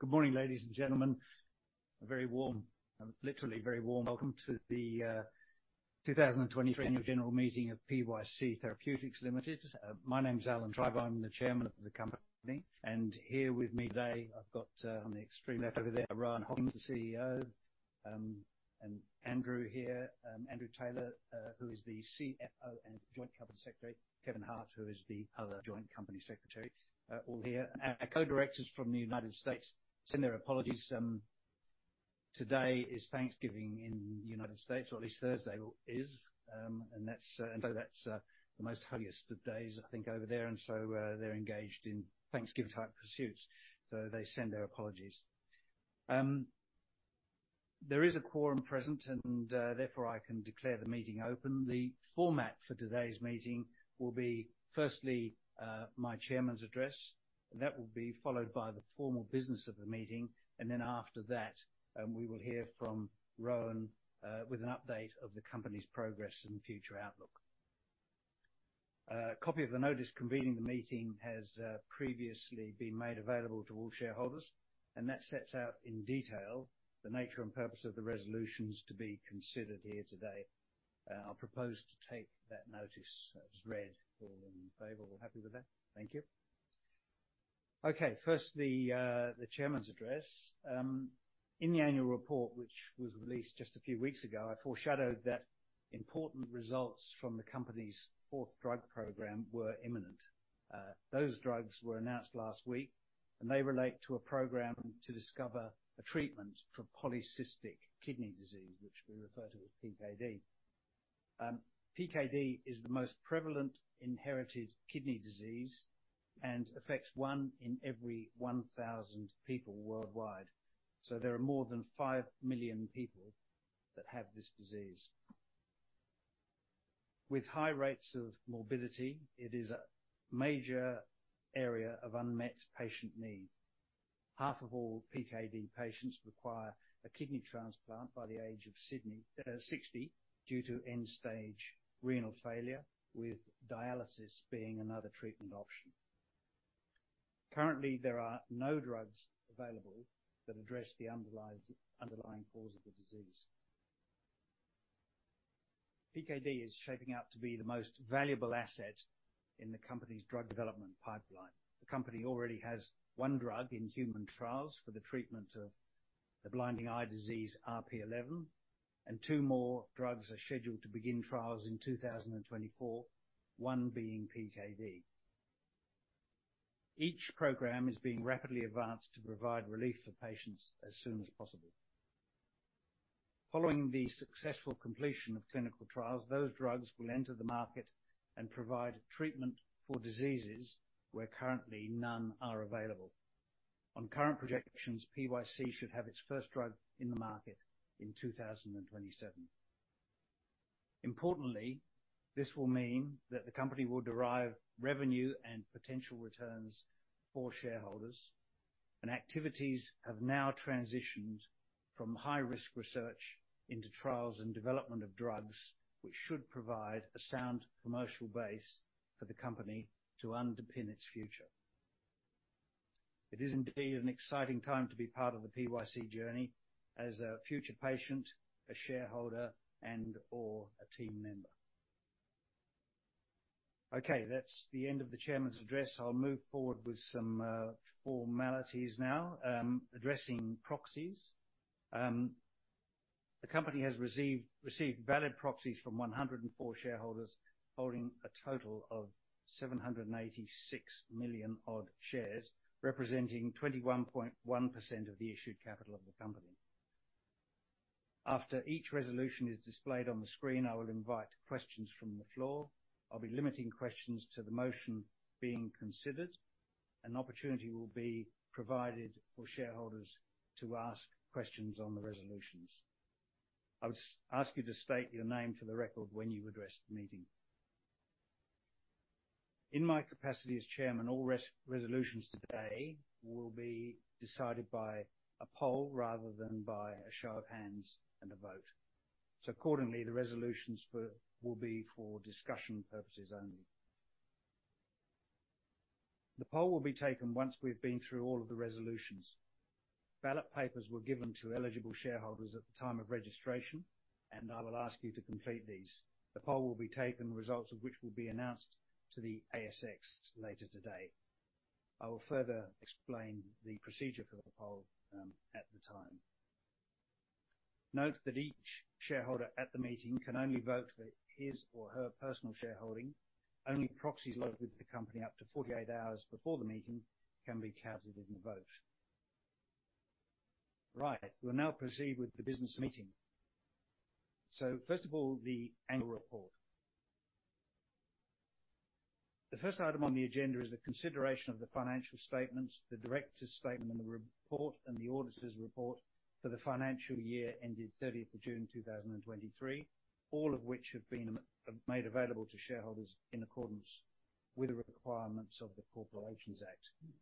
Good morning, ladies and gentlemen. A very warm, literally very warm welcome to the 2023 Annual General Meeting of PYC Therapeutics Limited. My name is Alan Tribe. I'm the Chairman of the company, and here with me today, I've got, on the extreme left over there, Rohan Hockings, the CEO, and Andrew here, Andrew Taylor, who is the CFO and joint company secretary. Kevin Hart, who is the other joint company secretary, all here. And our co-directors from the United States send their apologies. Today is Thanksgiving in the United States, or at least Thursday is. And that's, so that's, the most holiest of days, I think, over there, and so, they're engaged in Thanksgiving-type pursuits, so they send their apologies. There is a quorum present and, therefore I can declare the meeting open. The format for today's meeting will be, firstly, my chairman's address. That will be followed by the formal business of the meeting, and then after that, we will hear from Rohan, with an update of the Company's progress and future outlook. A copy of the notice convening the meeting has previously been made available to all shareholders, and that sets out in detail the nature and purpose of the resolutions to be considered here today. I'll propose to take that notice as read. All in favor, happy with that? Thank you. Okay. First, the chairman's address. In the annual report, which was released just a few weeks ago, I foreshadowed that important results from the company's fourth drug program were imminent. Those drugs were announced last week, and they relate to a program to discover a treatment for polycystic kidney disease, which we refer to as PKD. PKD is the most prevalent inherited kidney disease and affects one in every 1,000 people worldwide. So there are more than five million people that have this disease. With high rates of morbidity, it is a major area of unmet patient need. Half of all PKD patients require a kidney transplant by the age of 60, due to end-stage renal failure, with dialysis being another treatment option. Currently, there are no drugs available that address the underlying cause of the disease. PKD is shaping up to be the most valuable asset in the company's drug development pipeline. The company already has one drug in human trials for the treatment of the blinding eye disease, RP11, and two more drugs are scheduled to begin trials in 2024, 1 being PKD. Each program is being rapidly advanced to provide relief for patients as soon as possible. Following the successful completion of clinical trials, those drugs will enter the market and provide treatment for diseases where currently none are available. On current projections, PYC should have its first drug in the market in 2027. Importantly, this will mean that the company will derive revenue and potential returns for shareholders, and activities have now transitioned from high-risk research into trials and development of drugs, which should provide a sound commercial base for the company to underpin its future. It is indeed an exciting time to be part of the PYC journey as a future patient, a shareholder, and/or a team member. Okay, that's the end of the chairman's address. I'll move forward with some formalities now. Addressing proxies. The company has received, received valid proxies from 104 shareholders, holding a total of 786 million odd shares, representing 21.1% of the issued capital of the company. After each resolution is displayed on the screen, I will invite questions from the floor. I'll be limiting questions to the motion being considered. An opportunity will be provided for shareholders to ask questions on the resolutions. I would ask you to state your name for the record when you address the meeting. In my capacity as Chairman, all resolutions today will be decided by a poll rather than by a show of hands and a vote. So accordingly, the resolutions for will be for discussion purposes only. The poll will be taken once we've been through all of the resolutions. Ballot papers were given to eligible shareholders at the time of registration, and I will ask you to complete these. The poll will be taken, results of which will be announced to the ASX later today. I will further explain the procedure for the poll at the time. Note that each shareholder at the meeting can only vote for his or her personal shareholding. Only proxies lodged with the company up to 48 hours before the meeting can be counted in the vote. Right. We'll now proceed with the business meeting. So first of all, the annual report. The first item on the agenda is the consideration of the financial statements, the directors' statement, and the report, and the auditors' report for the financial year ended 30th of June 2023, all of which have been made available to shareholders in accordance with the requirements of the Corporations Act.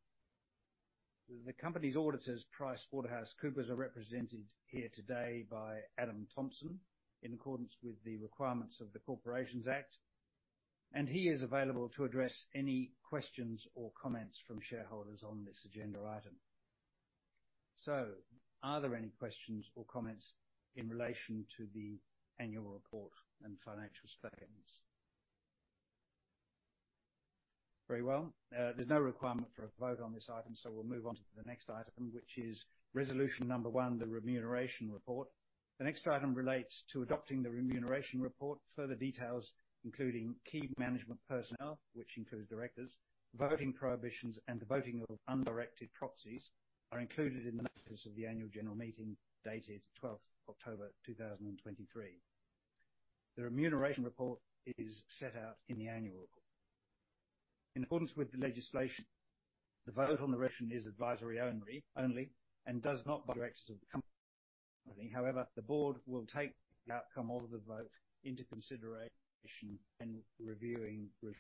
The company's auditors, PricewaterhouseCoopers, are represented here today by Adam Thompson, in accordance with the requirements of the Corporations Act, and he is available to address any questions or comments from shareholders on this agenda item. So are there any questions or comments in relation to the annual report and financial statements? Very well. There's no requirement for a vote on this item, so we'll move on to the next item, which is resolution number 1, the remuneration report. The next item relates to adopting the remuneration report. Further details, including key management personnel, which includes directors, voting prohibitions, and the voting of undirected proxies, are included in the notice of the annual general meeting, dated twelfth October, two thousand and twenty-three. The remuneration report is set out in the annual report. In accordance with the legislation, the vote on the resolution is advisory only, and does not direct the company. However, the board will take the outcome of the vote into consideration when reviewing the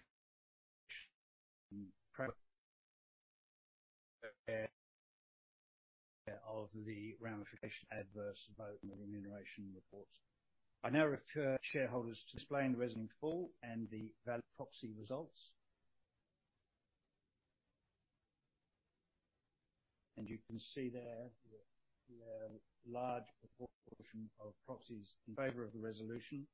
ramifications of an adverse vote on the remuneration reports. I now refer shareholders to display the resolution in full and the valid proxy results. You can see there, the large proportion of proxies in favor of the resolution.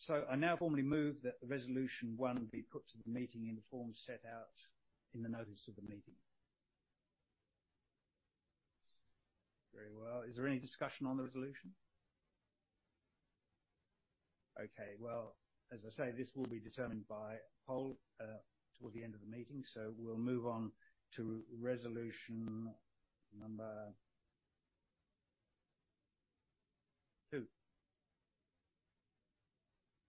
So I now formally move that the resolution one be put to the meeting in the form set out in the notice of the meeting. Very well. Is there any discussion on the resolution? Okay, well, as I say, this will be determined by poll toward the end of the meeting, so we'll move on to resolution number two,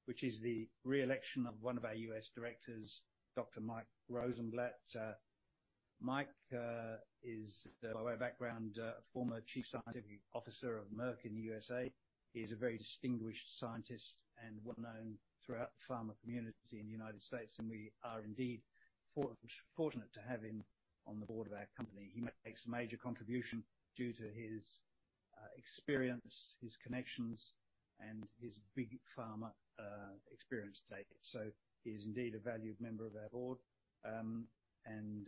which is the re-election of one of our U.S. directors, Dr. Mike Rosenblatt. Mike is, by way of background, a former Chief Scientific Officer of Merck in the USA. He is a very distinguished scientist and well known throughout the pharma community in the United States, and we are indeed fortunate to have him on the board of our company. He makes a major contribution due to his experience, his connections, and his big pharma experience today. So he is indeed a valued member of our board. And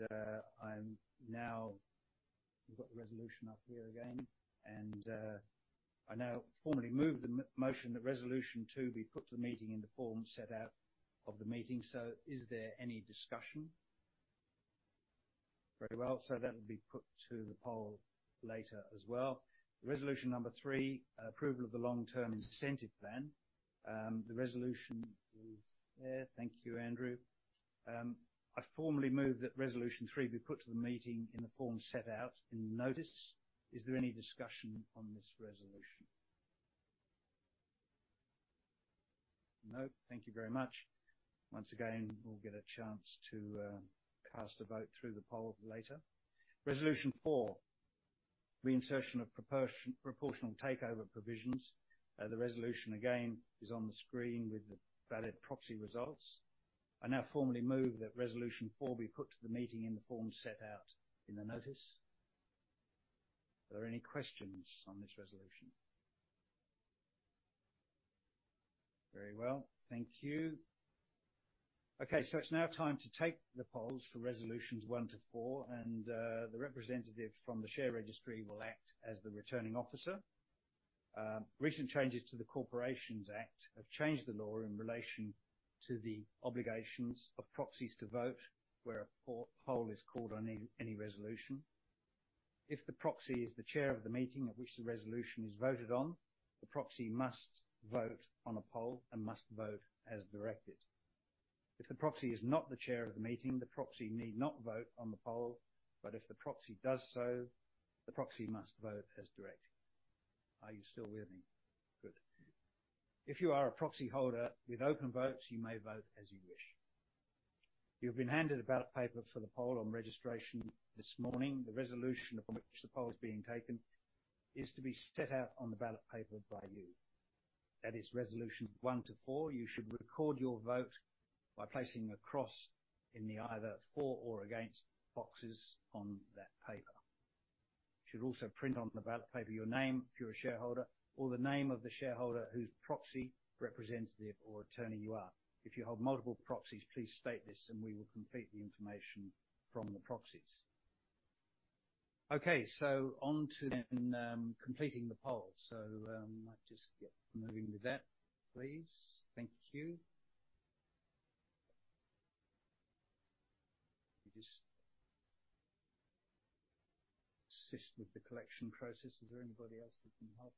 I'm now. We've got the resolution up here again, and I now formally move the motion that resolution two be put to the meeting in the form set out of the meeting. So is there any discussion? Very well, so that will be put to the poll later as well. Resolution number three, approval of the long-term incentive plan. The resolution is there. Thank you, Andrew. I formally move that resolution three be put to the meeting in the form set out in the notice. Is there any discussion on this resolution? No. Thank you very much. Once again, we'll get a chance to cast a vote through the poll later. Resolution four, reinsertion of proportional takeover provisions. The resolution, again, is on the screen with the valid proxy results. I now formally move that resolution 4 be put to the meeting in the form set out in the notice. Are there any questions on this resolution? Very well. Thank you. Okay, so it's now time to take the polls for resolutions one to four, and the representative from the share registry will act as the returning officer. Recent changes to the Corporations Act have changed the law in relation to the obligations of proxies to vote, where a poll is called on any resolution. If the proxy is the chair of the meeting, at which the resolution is voted on, the proxy must vote on a poll and must vote as directed. If the proxy is not the chair of the meeting, the proxy need not vote on the poll, but if the proxy does so, the proxy must vote as directed. Are you still with me? Good. If you are a proxy holder with open votes, you may vote as you wish. You've been handed a ballot paper for the poll on registration this morning. The resolution upon which the poll is being taken is to be set out on the ballot paper by you. That is resolution 1-4. You should record your vote by placing a cross in either the for or against boxes on that paper. You should also print on the ballot paper your name, if you're a shareholder, or the name of the shareholder whose proxy representative or attorney you are. If you hold multiple proxies, please state this, and we will complete the information from the proxies. Okay, so on to then, completing the poll. So, I just get moving with that, please. Thank you. Just assist with the collection process. Is there anybody else that can help?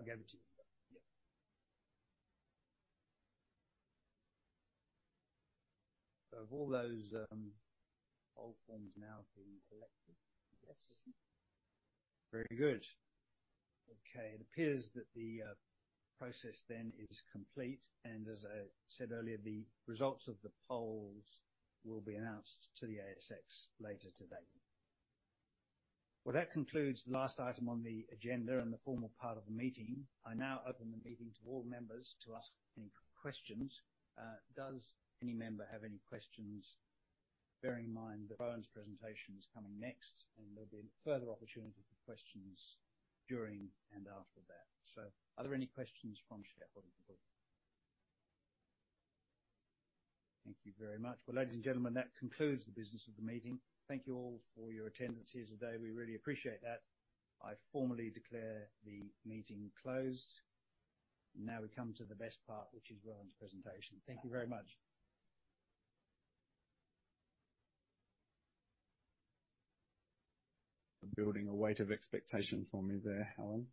I'll give it to you. Yeah. So have all those, poll forms now been collected? Yes. Very good. Okay, it appears that the, process then is complete, and as I said earlier, the results of the polls will be announced to the ASX later today. Well, that concludes the last item on the agenda and the formal part of the meeting. I now open the meeting to all members to ask any questions. Does any member have any questions? Bearing in mind that Rohan's presentation is coming next, and there'll be a further opportunity for questions during and after that. So are there any questions from shareholders on the board? Thank you very much. Well, ladies and gentlemen, that concludes the business of the meeting. Thank you all for your attendance here today. We really appreciate that. I formally declare the meeting closed. Now, we come to the best part, which is Rohan's presentation. Thank you very much. Building a weight of expectation for me there, Alan.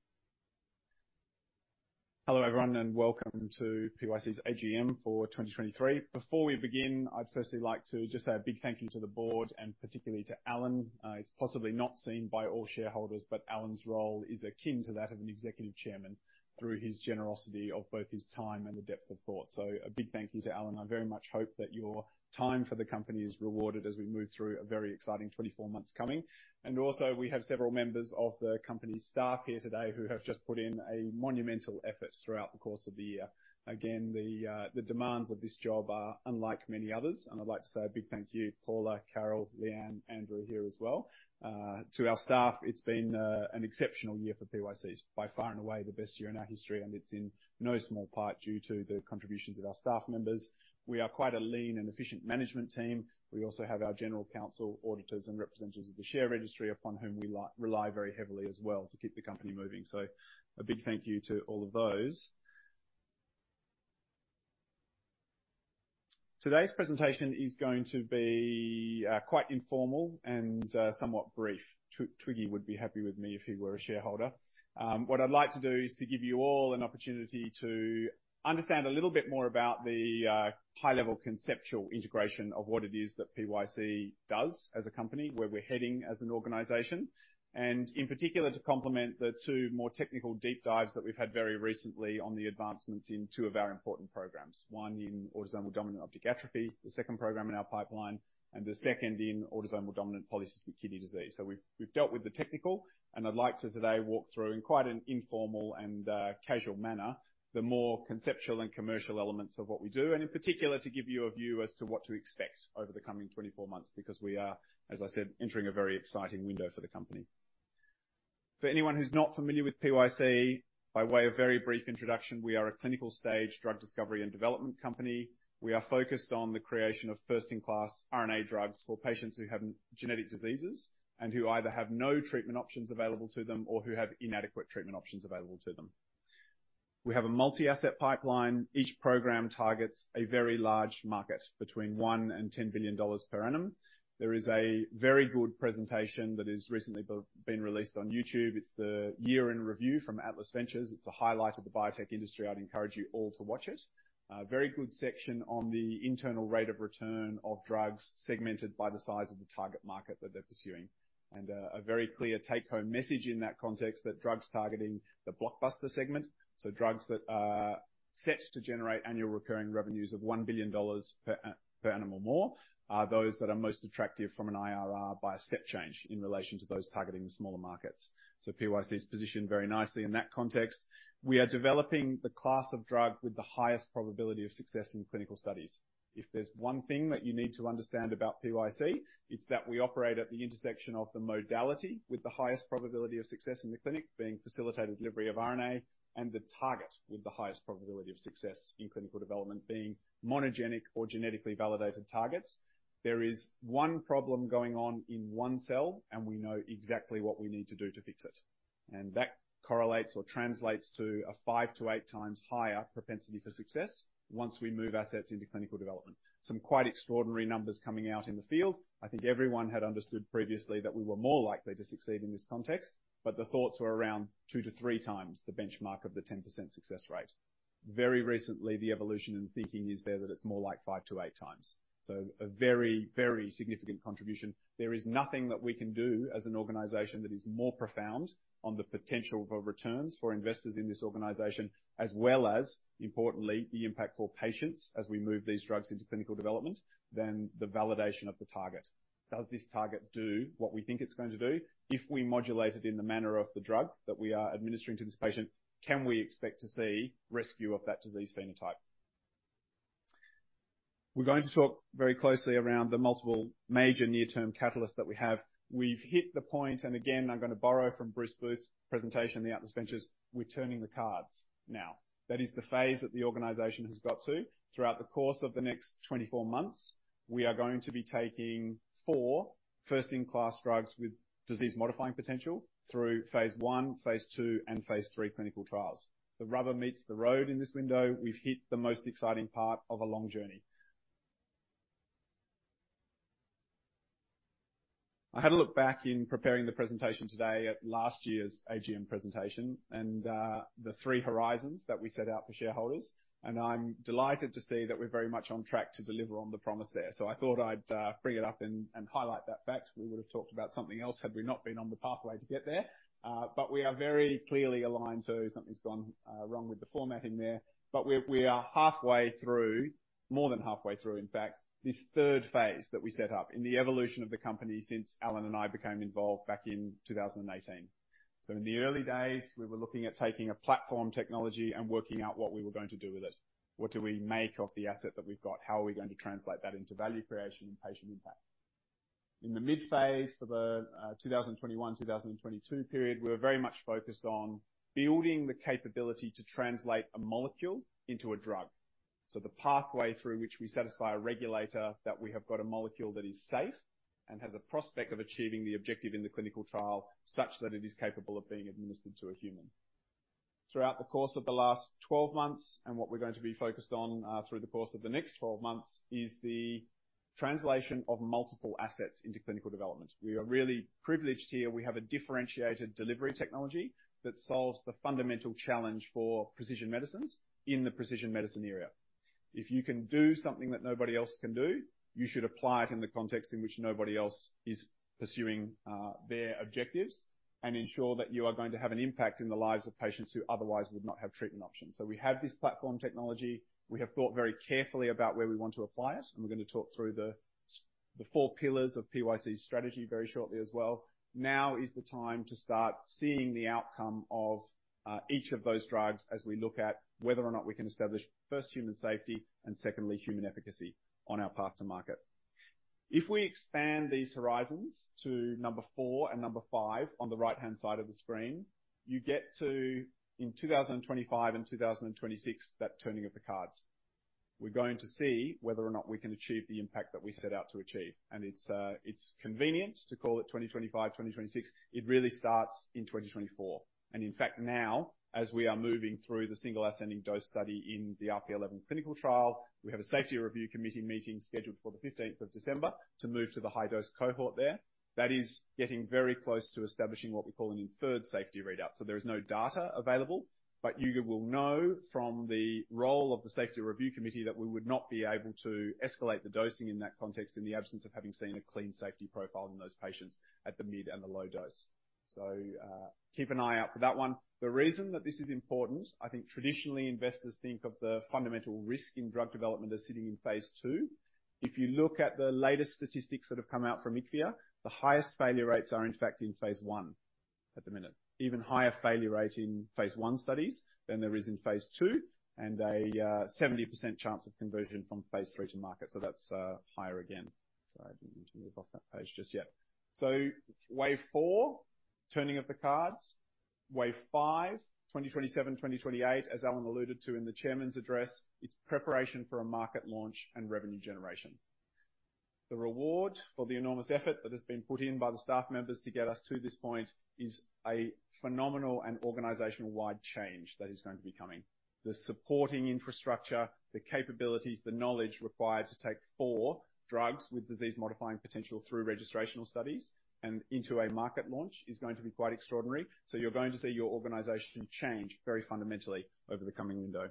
Hello, everyone, and welcome to PYC's AGM for 2023. Before we begin, I'd firstly like to just say a big thank you to the board and particularly to Alan. It's possibly not seen by all shareholders, but Alan's role is akin to that of an executive chairman through his generosity of both his time and the depth of thought. So a big thank you to Alan. I very much hope that your time for the company is rewarded as we move through a very exciting 24 months coming. And also, we have several members of the company's staff here today who have just put in a monumental effort throughout the course of the year. Again, the demands of this job are unlike many others, and I'd like to say a big thank you, Paula, Carol, Leanne, Andrew, here as well. To our staff, it's been an exceptional year for PYC. It's by far and away the best year in our history, and it's in no small part due to the contributions of our staff members. We are quite a lean and efficient management team. We also have our general counsel, auditors, and representatives of the share registry, upon whom we rely very heavily as well to keep the company moving. So a big thank you to all of those. Today's presentation is going to be quite informal and somewhat brief. Twiggy would be happy with me if he were a shareholder. What I'd like to do is to give you all an opportunity to understand a little bit more about the high-level conceptual integration of what it is that PYC does as a company, where we're heading as an organization, and in particular, to complement the two more technical deep dives that we've had very recently on the advancements in two of our important programs. One in Autosomal Dominant Optic Atrophy, the second program in our pipeline, and the second in Autosomal Dominant Polycystic Kidney Disease. So we've dealt with the technical, and I'd like to today walk through, in quite an informal and casual manner, the more conceptual and commercial elements of what we do, and in particular, to give you a view as to what to expect over the coming 24 months, because we are, as I said, entering a very exciting window for the company. For anyone who's not familiar with PYC, by way of very brief introduction, we are a clinical stage drug discovery and development company. We are focused on the creation of first-in-class RNA drugs for patients who have genetic diseases and who either have no treatment options available to them or who have inadequate treatment options available to them. We have a multi-asset pipeline. Each program targets a very large market between $1 billion and $10 billion per annum. There is a very good presentation that has recently been released on YouTube. It's the Year in Review from Atlas Venture. It's a highlight of the biotech industry. I'd encourage you all to watch it. A very good section on the internal rate of return of drugs, segmented by the size of the target market that they're pursuing. And, a very clear take-home message in that context, that drugs targeting the blockbuster segment, so drugs that are set to generate annual recurring revenues of $1 billion per annum or more, are those that are most attractive from an IRR by a step change in relation to those targeting the smaller markets. So PYC's positioned very nicely in that context. We are developing the class of drug with the highest probability of success in clinical studies. If there's one thing that you need to understand about PYC, it's that we operate at the intersection of the modality with the highest probability of success in the clinic, being facilitated delivery of RNA, and the target with the highest probability of success in clinical development being monogenic or genetically validated targets. There is one problem going on in one cell, and we know exactly what we need to do to fix it. That correlates or translates to a 5-8 times higher propensity for success once we move assets into clinical development. Some quite extraordinary numbers coming out in the field. I think everyone had understood previously that we were more likely to succeed in this context, but the thoughts were around 2-3 times the benchmark of the 10% success rate. Very recently, the evolution in thinking is there, that it's more like 5-8 times, so a very, very significant contribution. There is nothing that we can do as an organization that is more profound on the potential for returns for investors in this organization, as well as, importantly, the impact for patients as we move these drugs into clinical development, than the validation of the target. Does this target do what we think it's going to do? If we modulate it in the manner of the drug that we are administering to this patient, can we expect to see rescue of that disease phenotype? We're going to talk very closely around the multiple major near-term catalysts that we have. We've hit the point, and again, I'm gonna borrow from Bruce Booth's presentation, the Atlas Venture, "We're turning the cards now." That is the phase that the organization has got to. Throughout the course of the next 24 months, we are going to be taking four first-in-class drugs with disease modifying potential through phase I, phase II, and phase III clinical trials. The rubber meets the road in this window. We've hit the most exciting part of a long journey... I had a look back in preparing the presentation today at last year's AGM presentation, and the three horizons that we set out for shareholders, and I'm delighted to see that we're very much on track to deliver on the promise there. So I thought I'd bring it up and highlight that fact. We would have talked about something else had we not been on the pathway to get there, but we are very clearly aligned. Sorry, something's gone wrong with the formatting there. But we have, we are halfway through, more than halfway through, in fact, this third phase that we set up in the evolution of the company since Alan and I became involved back in 2018. So in the early days, we were looking at taking a platform technology and working out what we were going to do with it. What do we make of the asset that we've got? How are we going to translate that into value creation and patient impact? In the mid phase, for the 2021, 2022 period, we were very much focused on building the capability to translate a molecule into a drug. So the pathway through which we satisfy a regulator, that we have got a molecule that is safe and has a prospect of achieving the objective in the clinical trial, such that it is capable of being administered to a human. Throughout the course of the last 12 months, and what we're going to be focused on, through the course of the next 12 months, is the translation of multiple assets into clinical development. We are really privileged here. We have a differentiated delivery technology that solves the fundamental challenge for precision medicines in the precision medicine area. If you can do something that nobody else can do, you should apply it in the context in which nobody else is pursuing their objectives, and ensure that you are going to have an impact in the lives of patients who otherwise would not have treatment options. So we have this platform technology. We have thought very carefully about where we want to apply it, and we're gonna talk through the, the four pillars of PYC's strategy very shortly as well. Now is the time to start seeing the outcome of each of those drugs as we look at whether or not we can establish, first, human safety, and secondly, human efficacy on our path to market. If we expand these horizons to number four and number five on the right-hand side of the screen, you get to, in 2025 and 2026, that turning of the cards. We're going to see whether or not we can achieve the impact that we set out to achieve, and it's, it's convenient to call it 2025, 2026. It really starts in 2024. In fact, now, as we are moving through the single ascending dose study in the RP11 clinical trial, we have a safety review committee meeting scheduled for the 15th of December to move to the high dose cohort there. That is getting very close to establishing what we call an inferred safety readout. So there is no data available, but you will know from the role of the safety review committee that we would not be able to escalate the dosing in that context, in the absence of having seen a clean safety profile in those patients at the mid and the low dose. So, keep an eye out for that one. The reason that this is important, I think traditionally, investors think of the fundamental risk in drug development as sitting in phase II. If you look at the latest statistics that have come out from Iqvia, the highest failure rates are in fact in phase I at the minute. Even higher failure rate in phase I studies than there is in phase II, and a seventy percent chance of conversion from phase III to market. So that's higher again. Sorry, I didn't mean to move off that page just yet. So wave four, turning of the cards. Wave five, 2027, 2028, as Alan alluded to in the chairman's address, it's preparation for a market launch and revenue generation. The reward for the enormous effort that has been put in by the staff members to get us to this point, is a phenomenal and organizational-wide change that is going to be coming. The supporting infrastructure, the capabilities, the knowledge required to take four drugs with disease-modifying potential through registrational studies and into a market launch, is going to be quite extraordinary. You're going to see your organization change very fundamentally over the coming window.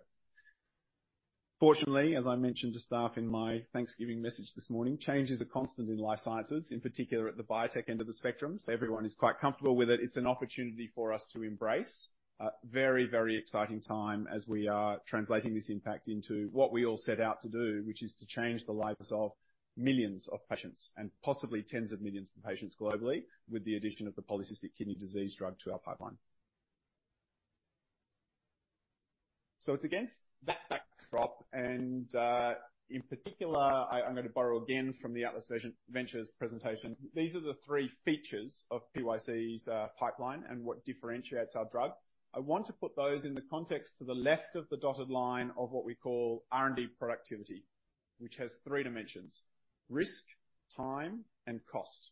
Fortunately, as I mentioned to staff in my Thanksgiving message this morning, change is a constant in life sciences, in particular at the biotech end of the spectrum, so everyone is quite comfortable with it. It's an opportunity for us to embrace. A very, very exciting time as we are translating this impact into what we all set out to do, which is to change the lives of millions of patients, and possibly tens of millions of patients globally, with the addition of the polycystic kidney disease drug to our pipeline. So it's against that backdrop, and, in particular, I, I'm gonna borrow again from the Atlas Venture presentation. These are the three features of PYC's pipeline and what differentiates our drug. I want to put those in the context to the left of the dotted line of what we call R&D productivity, which has three dimensions: risk, time, and cost.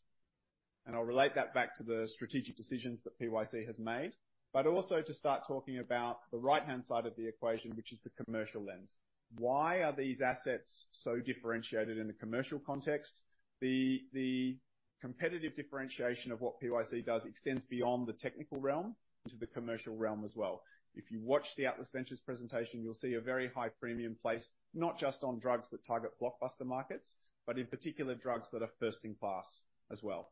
And I'll relate that back to the strategic decisions that PYC has made, but also to start talking about the right-hand side of the equation, which is the commercial lens. Why are these assets so differentiated in the commercial context? The competitive differentiation of what PYC does extends beyond the technical realm into the commercial realm as well. If you watch the Atlas Venture presentation, you'll see a very high premium placed, not just on drugs that target blockbuster markets, but in particular, drugs that are first in class as well.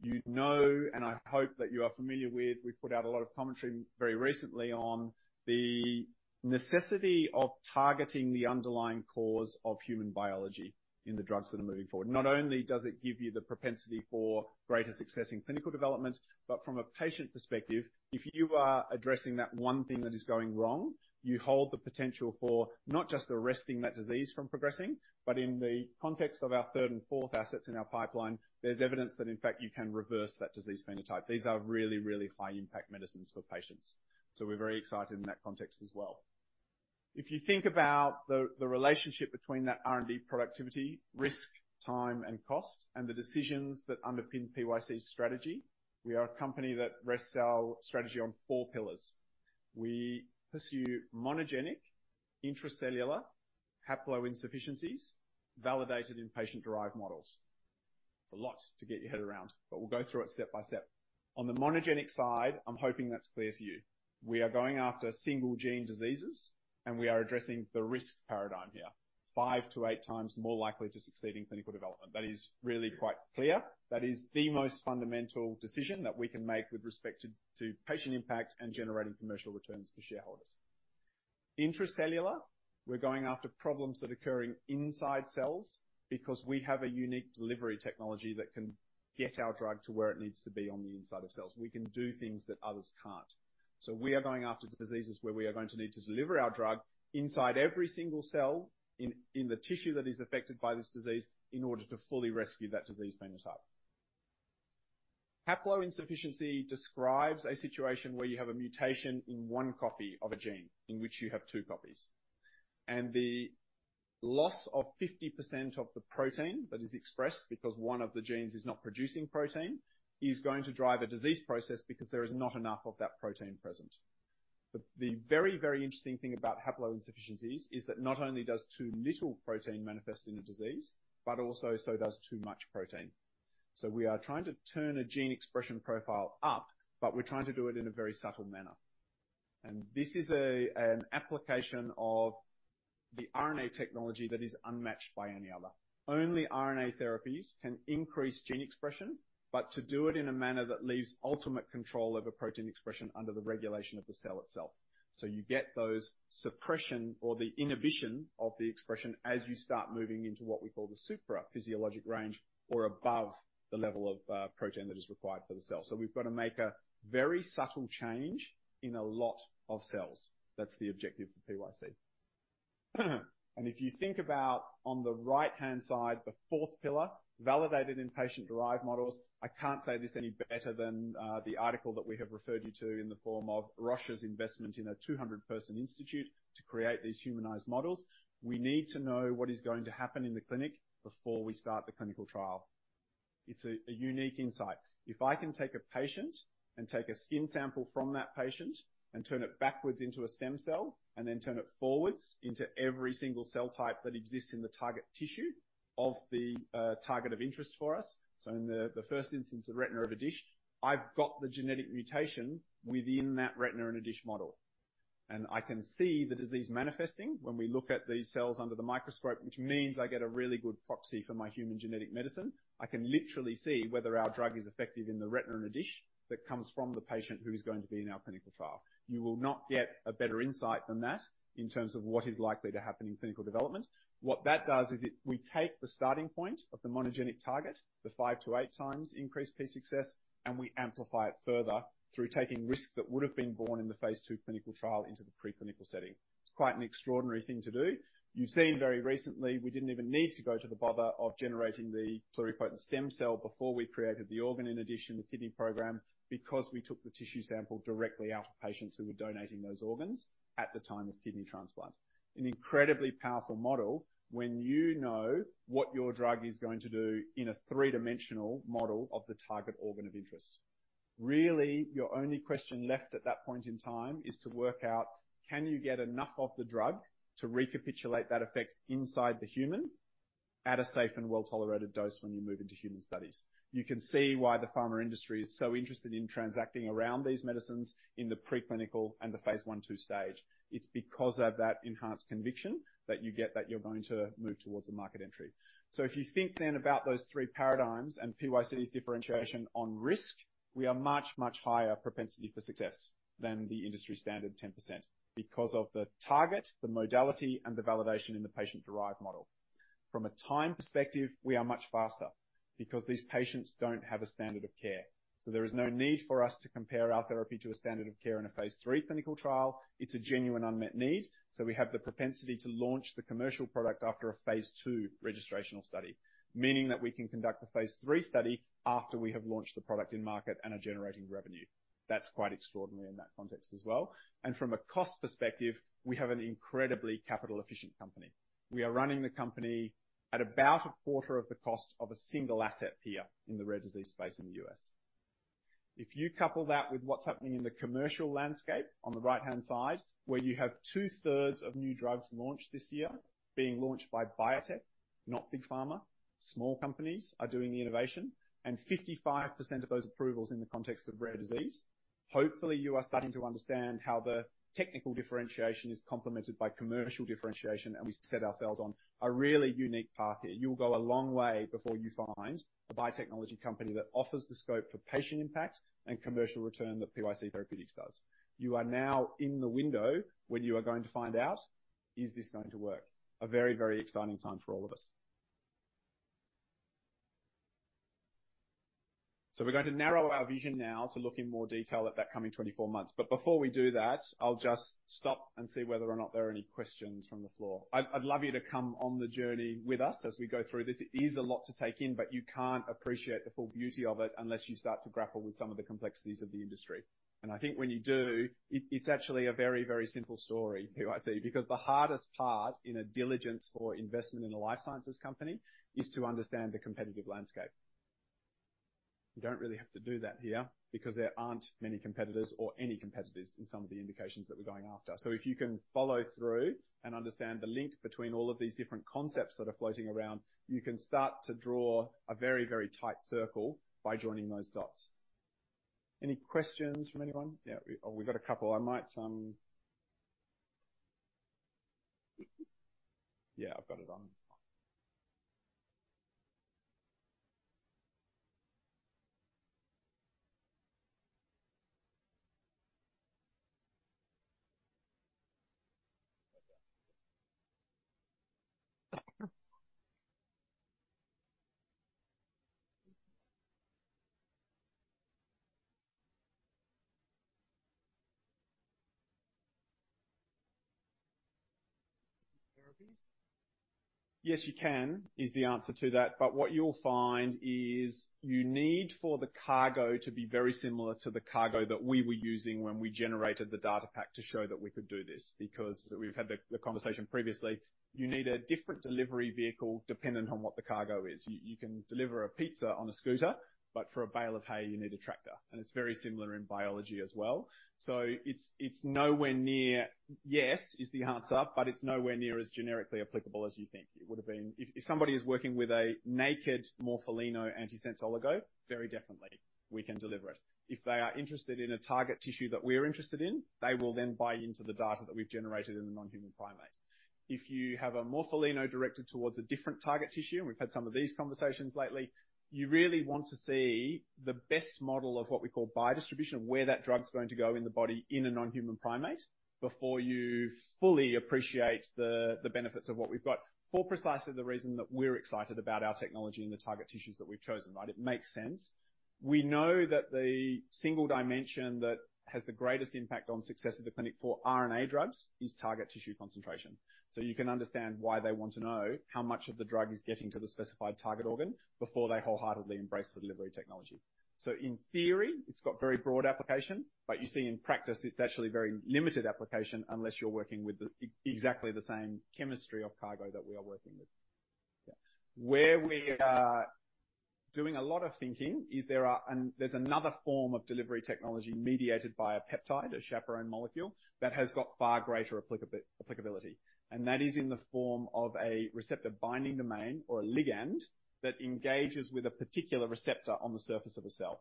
You know, and I hope that you are familiar with, we've put out a lot of commentary very recently on the necessity of targeting the underlying cause of human biology in the drugs that are moving forward. Not only does it give you the propensity for greater success in clinical development, but from a patient perspective, if you are addressing that one thing that is going wrong, you hold the potential for not just arresting that disease from progressing, but in the context of our third and fourth assets in our pipeline, there's evidence that, in fact, you can reverse that disease phenotype. These are really, really high impact medicines for patients. So we're very excited in that context as well. If you think about the relationship between that R&D productivity, risk, time, and cost, and the decisions that underpin PYC's strategy, we are a company that rests our strategy on four pillars. We pursue monogenic intracellular haploinsufficiencies, validated in patient-derived models. It's a lot to get your head around, but we'll go through it step by step. On the monogenic side, I'm hoping that's clear to you. We are going after single gene diseases, and we are addressing the risk paradigm here, 5-8 times more likely to succeed in clinical development. That is really quite clear. That is the most fundamental decision that we can make with respect to patient impact and generating commercial returns for shareholders. Intracellular, we're going after problems that are occurring inside cells because we have a unique delivery technology that can get our drug to where it needs to be on the inside of cells. We can do things that others can't. So we are going after diseases where we are going to need to deliver our drug inside every single cell in the tissue that is affected by this disease in order to fully rescue that disease phenotype. Haploinsufficiency describes a situation where you have a mutation in one copy of a gene, in which you have two copies, and the loss of 50% of the protein that is expressed, because one of the genes is not producing protein, is going to drive a disease process because there is not enough of that protein present. But the very, very interesting thing about haploinsufficiencies is that not only does too little protein manifest in a disease, but also so does too much protein. So we are trying to turn a gene expression profile up, but we're trying to do it in a very subtle manner. And this is a, an application of the RNA technology that is unmatched by any other. Only RNA therapies can increase gene expression, but to do it in a manner that leaves ultimate control over protein expression under the regulation of the cell itself. So you get those suppression or the inhibition of the expression as you start moving into what we call the supraphysiologic range, or above the level of, protein that is required for the cell. So we've got to make a very subtle change in a lot of cells. That's the objective for PYC. If you think about on the right-hand side, the fourth pillar, validated in patient-derived models, I can't say this any better than the article that we have referred you to in the form of Roche's investment in a 200-person institute to create these humanized models. We need to know what is going to happen in the clinic before we start the clinical trial. It's a unique insight. If I can take a patient and take a skin sample from that patient and turn it backwards into a stem cell, and then turn it forwards into every single cell type that exists in the target tissue of the target of interest for us. So in the first instance, the retina in a dish, I've got the genetic mutation within that retina in a dish model, and I can see the disease manifesting when we look at these cells under the microscope, which means I get a really good proxy for my human genetic medicine. I can literally see whether our drug is effective in the retina in a dish that comes from the patient who is going to be in our clinical trial. You will not get a better insight than that in terms of what is likely to happen in clinical development. What that does is it. We take the starting point of the monogenic target, the 5-8 times increased P success, and we amplify it further through taking risks that would have been borne in the phase II clinical trial into the preclinical setting. It's quite an extraordinary thing to do. You've seen very recently, we didn't even need to go to the bother of generating the pluripotent stem cell before we created the organ in a dish, the kidney program, because we took the tissue sample directly out of patients who were donating those organs at the time of kidney transplant. An incredibly powerful model when you know what your drug is going to do in a three-dimensional model of the target organ of interest. Really, your only question left at that point in time is to work out, can you get enough of the drug to recapitulate that effect inside the human at a safe and well-tolerated dose when you move into human studies? You can see why the pharma industry is so interested in transacting around these medicines in the preclinical and the phase I, two stage. It's because of that enhanced conviction that you get that you're going to move towards a market entry. So if you think then about those 3 paradigms and PYC's differentiation on risk, we are much, much higher propensity for success than the industry standard 10% because of the target, the modality, and the validation in the patient-derived model. From a time perspective, we are much faster because these patients don't have a standard of care. So there is no need for us to compare our therapy to a standard of care in a phase III clinical trial. It's a genuine unmet need, so we have the propensity to launch the commercial product after a phase II registrational study, meaning that we can conduct a phase III study after we have launched the product in market and are generating revenue. That's quite extraordinary in that context as well. From a cost perspective, we have an incredibly capital efficient company. We are running the company at about a quarter of the cost of a single asset here in the rare disease space in the U.S. If you couple that with what's happening in the commercial landscape on the right-hand side, where you have two-thirds of new drugs launched this year, being launched by biotech, not big pharma, small companies are doing the innovation, and 55% of those approvals in the context of rare disease. Hopefully, you are starting to understand how the technical differentiation is complemented by commercial differentiation, and we set ourselves on a really unique path here. You'll go a long way before you find a biotechnology company that offers the scope for patient impact and commercial return that PYC Therapeutics does. You are now in the window when you are going to find out, is this going to work? A very, very exciting time for all of us. So we're going to narrow our vision now to look in more detail at that coming 24 months. But before we do that, I'll just stop and see whether or not there are any questions from the floor. I'd, I'd love you to come on the journey with us as we go through this. It is a lot to take in, but you can't appreciate the full beauty of it unless you start to grapple with some of the complexities of the industry. And I think when you do, it, it's actually a very, very simple story, PYC, because the hardest part in a diligence or investment in a life sciences company is to understand the competitive landscape.... You don't really have to do that here because there aren't many competitors or any competitors in some of the indications that we're going after. So if you can follow through and understand the link between all of these different concepts that are floating around, you can start to draw a very, very tight circle by joining those dots. Any questions from anyone? Yeah, oh, we've got a couple. I might... Yeah, I've got it on. Yes, you can, is the answer to that. But what you'll find is you need for the cargo to be very similar to the cargo that we were using when we generated the data pack to show that we could do this. Because we've had the conversation previously, you need a different delivery vehicle dependent on what the cargo is. You can deliver a pizza on a scooter, but for a bale of hay, you need a tractor, and it's very similar in biology as well. So it's nowhere near... Yes, is the answer, but it's nowhere near as generically applicable as you think it would have been. If somebody is working with a naked morpholino antisense oligo, very definitely, we can deliver it. If they are interested in a target tissue that we're interested in, they will then buy into the data that we've generated in the non-human primate. If you have a morpholino directed towards a different target tissue, and we've had some of these conversations lately, you really want to see the best model of what we call biodistribution, of where that drug's going to go in the body in a non-human primate, before you fully appreciate the benefits of what we've got. For precisely the reason that we're excited about our technology and the target tissues that we've chosen, right? It makes sense. We know that the single dimension that has the greatest impact on success of the clinic for RNA drugs is target tissue concentration. So you can understand why they want to know how much of the drug is getting to the specified target organ before they wholeheartedly embrace the delivery technology. So in theory, it's got very broad application, but you see, in practice, it's actually very limited application unless you're working with exactly the same chemistry of cargo that we are working with. Yeah. Where we are doing a lot of thinking is there are... And there's another form of delivery technology mediated by a peptide, a chaperone molecule, that has got far greater applicability, and that is in the form of a receptor binding domain or a ligand that engages with a particular receptor on the surface of a cell.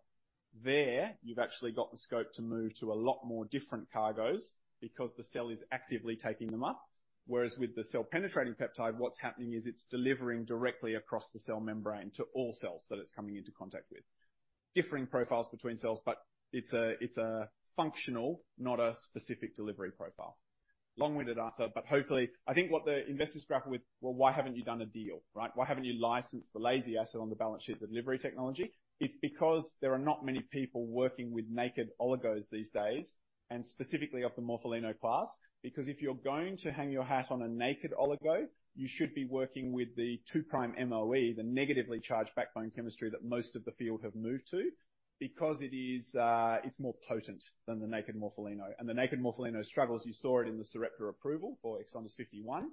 There, you've actually got the scope to move to a lot more different cargos because the cell is actively taking them up, whereas with the cell-penetrating peptide, what's happening is it's delivering directly across the cell membrane to all cells that it's coming into contact with. Differing profiles between cells, but it's a functional, not a specific delivery profile. Long-winded answer, but hopefully, I think what the investors grapple with, "Well, why haven't you done a deal, right? Why haven't you licensed the lazy asset on the balance sheet, the delivery technology?" It's because there are not many people working with naked oligos these days, and specifically of the morpholino class, because if you're going to hang your hat on a naked oligo, you should be working with the 2' MOE, the negatively charged backbone chemistry that most of the field have moved to, because it is, it's more potent than the naked morpholino. And the naked morpholino struggles, you saw it in the Sarepta approval for Exon 51.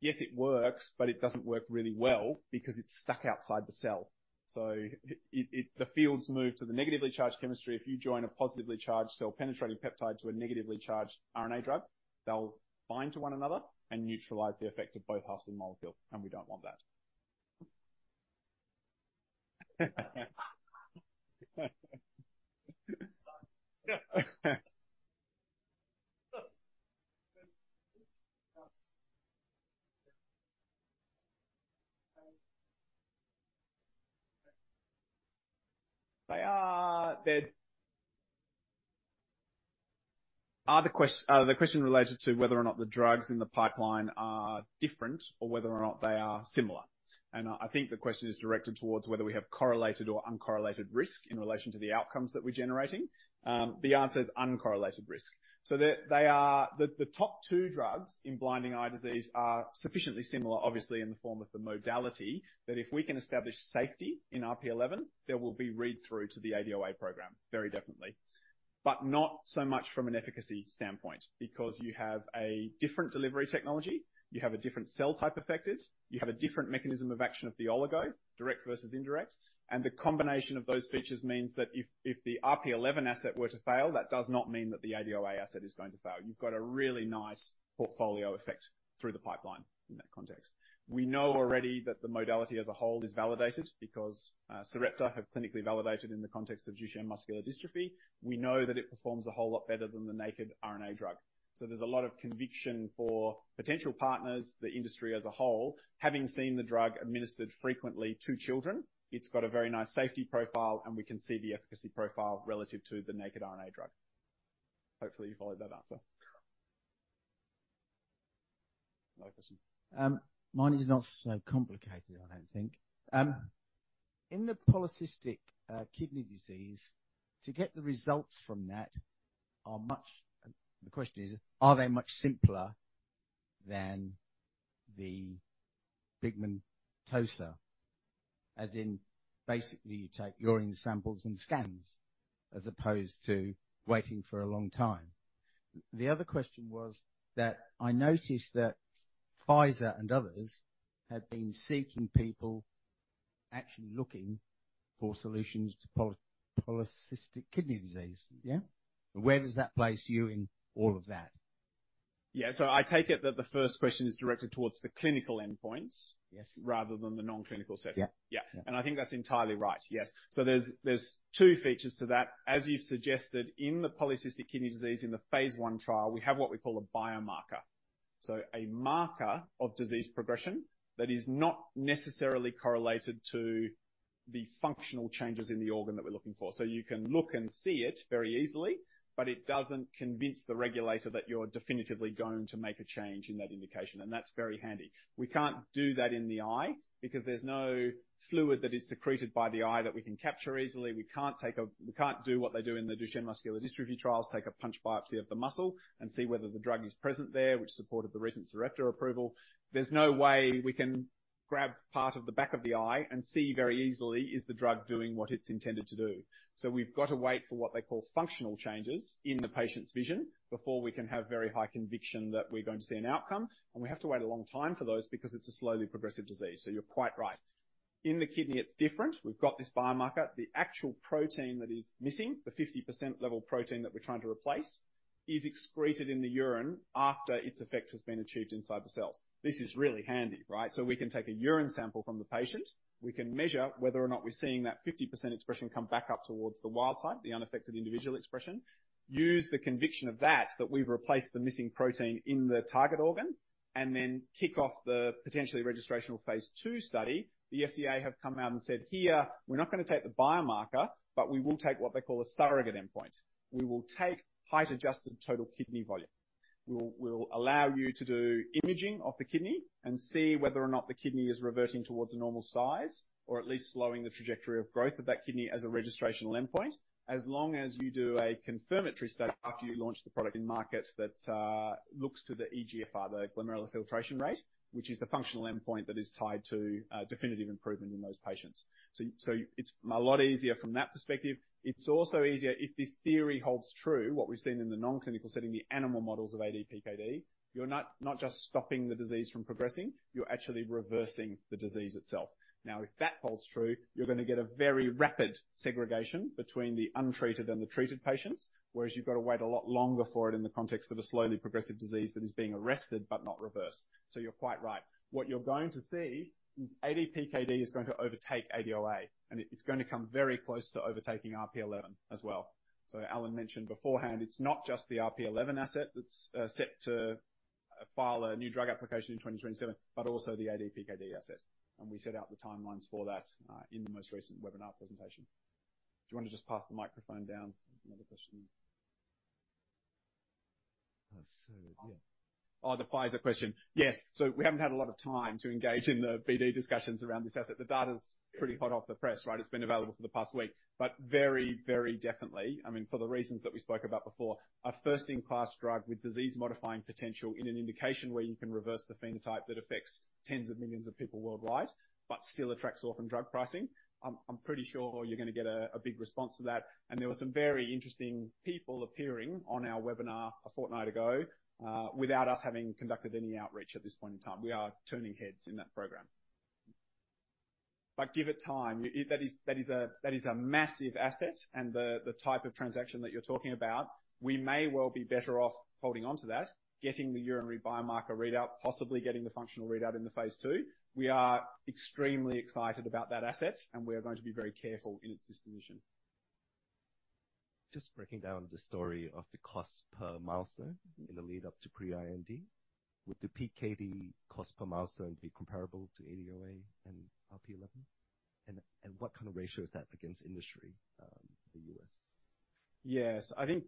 Yes, it works, but it doesn't work really well because it's stuck outside the cell. So The field's moved to the negatively charged chemistry. If you join a positively charged cell-penetrating peptide to a negatively charged RNA drug, they'll bind to one another and neutralize the effect of both halves of the molecule, and we don't want that. The question related to whether or not the drugs in the pipeline are different or whether or not they are similar, and I think the question is directed towards whether we have correlated or uncorrelated risk in relation to the outcomes that we're generating. The answer is uncorrelated risk. So the top two drugs in blinding eye disease are sufficiently similar, obviously, in the form of the modality, that if we can establish safety in RP eleven, there will be read-through to the ADOA program, very definitely. But not so much from an efficacy standpoint, because you have a different delivery technology, you have a different cell type affected, you have a different mechanism of action of the oligo, direct versus indirect. And the combination of those features means that if the RP11 asset were to fail, that does not mean that the ADOA asset is going to fail. You've got a really nice portfolio effect through the pipeline in that context. We know already that the modality as a whole is validated because Sarepta have clinically validated in the context of Duchenne muscular dystrophy. We know that it performs a whole lot better than the naked RNA drug. So there's a lot of conviction for potential partners, the industry as a whole, having seen the drug administered frequently to children. It's got a very nice safety profile, and we can see the efficacy profile relative to the naked RNA drug. Hopefully, you followed that answer. No question. Mine is not so complicated, I don't think. In the polycystic kidney disease, to get the results from that are much... The question is, are they much simpler than the pigmentosa? As in, basically, you take urine samples and scans, as opposed to waiting for a long time? The other question was that I noticed that Pfizer and others have been seeking people actually looking for solutions to polycystic kidney disease. Yeah? Where does that place you in all of that? Yeah. So I take it that the first question is directed towards the clinical endpoints. Yes. rather than the non-clinical setting. Yeah. Yeah. I think that's entirely right. Yes. There's two features to that. As you've suggested, in the Polycystic Kidney Disease, in the phase I trial, we have what we call a biomarker. So a marker of disease progression that is not necessarily correlated to the functional changes in the organ that we're looking for. So you can look and see it very easily, but it doesn't convince the regulator that you're definitively going to make a change in that indication, and that's very handy. We can't do that in the eye because there's no fluid that is secreted by the eye that we can capture easily. We can't do what they do in the Duchenne muscular dystrophy trials, take a punch biopsy of the muscle and see whether the drug is present there, which supported the recent Sarepta approval. There's no way we can grab part of the back of the eye and see very easily, is the drug doing what it's intended to do? So we've got to wait for what they call functional changes in the patient's vision before we can have very high conviction that we're going to see an outcome. We have to wait a long time for those because it's a slowly progressive disease, so you're quite right. In the kidney, it's different. We've got this biomarker, the actual protein that is missing, the 50% level protein that we're trying to replace, is excreted in the urine after its effect has been achieved inside the cells. This is really handy, right? So we can take a urine sample from the patient. We can measure whether or not we're seeing that 50% expression come back up towards the wild type, the unaffected individual expression. Use the conviction of that, that we've replaced the missing protein in the target organ, and then kick off the potentially registrational phase II study. The FDA have come out and said, "Here, we're not gonna take the biomarker, but we will take what they call a surrogate endpoint. We will take height-adjusted total kidney volume. We will, we will allow you to do imaging of the kidney and see whether or not the kidney is reverting toward a normal size or at least slowing the trajectory of growth of that kidney as a registrational endpoint, as long as you do a confirmatory study after you launch the product in markets that looks to the eGFR, the glomerular filtration rate, which is the functional endpoint that is tied to definitive improvement in those patients. So, so it's a lot easier from that perspective. It's also easier if this theory holds true, what we've seen in the non-clinical setting, the animal models of ADPKD, you're not, not just stopping the disease from progressing, you're actually reversing the disease itself. Now, if that holds true, you're gonna get a very rapid segregation between the untreated and the treated patients, whereas you've got to wait a lot longer for it in the context of a slowly progressive disease that is being arrested but not reversed. So you're quite right. What you're going to see is ADPKD is going to overtake ADOA, and it, it's gonna come very close to overtaking RP11 as well. So Alan mentioned beforehand, it's not just the RP11 asset that's set to file a new drug application in 2027, but also the ADPKD asset, and we set out the timelines for that in the most recent webinar presentation. Do you want to just pass the microphone down for another question? So yeah. Oh, the Pfizer question. Yes. So we haven't had a lot of time to engage in the BD discussions around this asset. The data's pretty hot off the press, right? It's been available for the past week, but very, very definitely, I mean, for the reasons that we spoke about before, a first in class drug with disease-modifying potential in an indication where you can reverse the phenotype that affects tens of millions of people worldwide, but still attracts orphan drug pricing. I'm pretty sure you're gonna get a big response to that, and there were some very interesting people appearing on our webinar a fortnight ago, without us having conducted any outreach at this point in time. We are turning heads in that program. But give it time. That is a massive asset, and the type of transaction that you're talking about, we may well be better off holding on to that, getting the urinary biomarker readout, possibly getting the functional readout in the phase II. We are extremely excited about that asset, and we are going to be very careful in its disposition. Just breaking down the story of the cost per milestone in the lead up to pre-IND. Would the PKD cost per milestone be comparable to ADOA and RP11? And what kind of ratio is that against industry, the US? Yes. I think,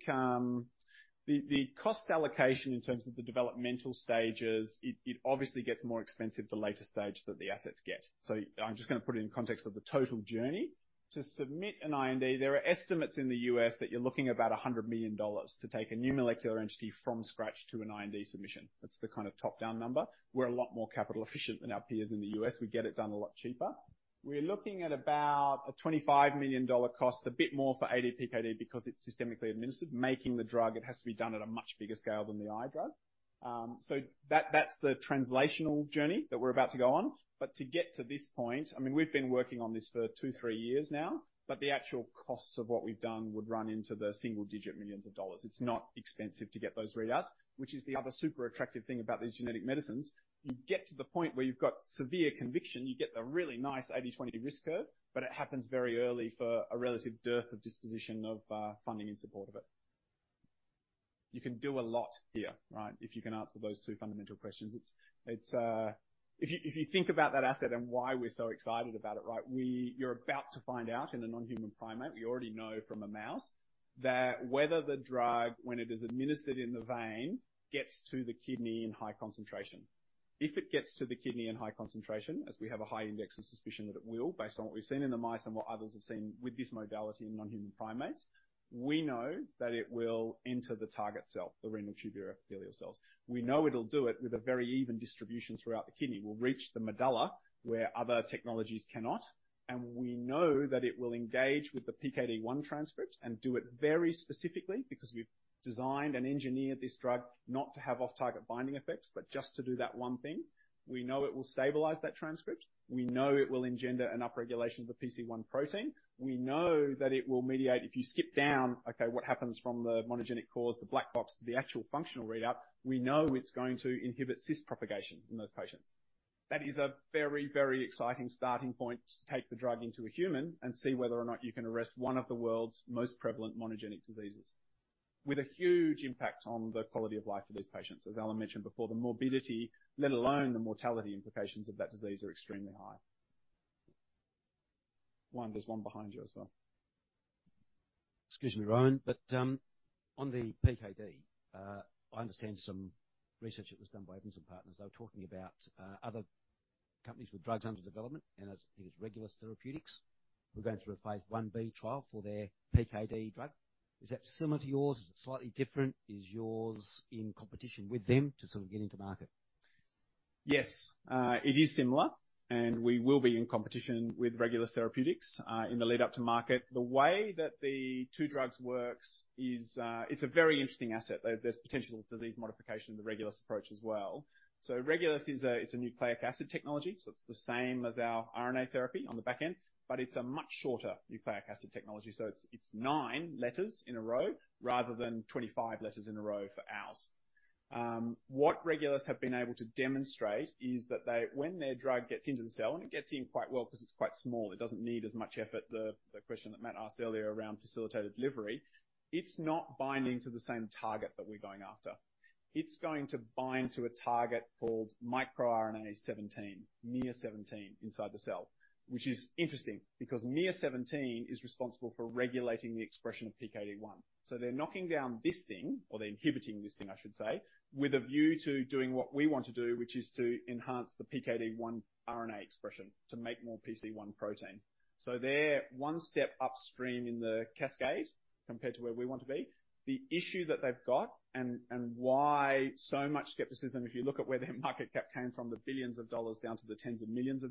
the cost allocation in terms of the developmental stages, it obviously gets more expensive the later stage that the assets get. So I'm just gonna put it in context of the total journey. To submit an IND, there are estimates in the U.S. that you're looking at about $100 million to take a new molecular entity from scratch to an IND submission. That's the kind of top-down number. We're a lot more capital efficient than our peers in the U.S. We get it done a lot cheaper. We're looking at about a $25 million cost, a bit more for ADPKD because it's systemically administered, making the drug, it has to be done at a much bigger scale than the eye drug. So that's the translational journey that we're about to go on. But to get to this point, I mean, we've been working on this for two to three years now, but the actual costs of what we've done would run into the single-digit millions of AUD. It's not expensive to get those readouts, which is the other super attractive thing about these genetic medicines. You get to the point where you've got severe conviction, you get the really nice 80-20 risk curve, but it happens very early for a relative dearth of disposition of funding in support of it. You can do a lot here, right? If you can answer those two fundamental questions. It's. If you think about that asset and why we're so excited about it, right, we're about to find out in a non-human primate. We already know from a mouse that whether the drug, when it is administered in the vein, gets to the kidney in high concentration. If it gets to the kidney in high concentration, as we have a high index of suspicion that it will, based on what we've seen in the mice and what others have seen with this modality in non-human primates, we know that it will enter the target cell, the renal tubular epithelial cells. We know it'll do it with a very even distribution throughout the kidney. We'll reach the medulla, where other technologies cannot, and we know that it will engage with the PKD1 transcript and do it very specifically, because we've designed and engineered this drug not to have off-target binding effects, but just to do that one thing. We know it will stabilize that transcript. We know it will engender an upregulation of the PC1 protein. We know that it will mediate. If you skip down, okay, what happens from the monogenic cause, the black box, to the actual functional readout, we know it's going to inhibit cyst propagation in those patients. That is a very, very exciting starting point to take the drug into a human and see whether or not you can arrest one of the world's most prevalent monogenic diseases, with a huge impact on the quality of life for these patients. As Alan mentioned before, the morbidity, let alone the mortality implications of that disease are extremely high. One, there's one behind you as well. Excuse me, Rowan, but on the PKD, I understand some research that was done by Evans and Partners. They were talking about other companies with drugs under development, and I think it's Regulus Therapeutics, who are going through a phase I-B trial for their PKD drug. Is that similar to yours? Is it slightly different? Is yours in competition with them to sort of get into market? Yes, it is similar, and we will be in competition with Regulus Therapeutics in the lead up to market. The way that the two drugs works is, it's a very interesting asset. There's potential disease modification in the Regulus approach as well. So Regulus is a nucleic acid technology, so it's the same as our RNA therapy on the back end, but it's a much shorter nucleic acid technology. So it's 9 letters in a row rather than 25 letters in a row for ours. What Regulus have been able to demonstrate is that they, when their drug gets into the cell, and it gets in quite well because it's quite small, it doesn't need as much effort. The question that Matt asked earlier around facilitated delivery, it's not binding to the same target that we're going after. It's going to bind to a target called microRNA-17, miR-17 inside the cell, which is interesting because miR-17 is responsible for regulating the expression of PKD1. So they're knocking down this thing, or they're inhibiting this thing, I should say, with a view to doing what we want to do, which is to enhance the PKD1 RNA expression to make more PC1 protein. So they're one step upstream in the cascade compared to where we want to be. The issue that they've got and, and why so much skepticism, if you look at where their market cap came from, the $ billions down to the $ tens of millions.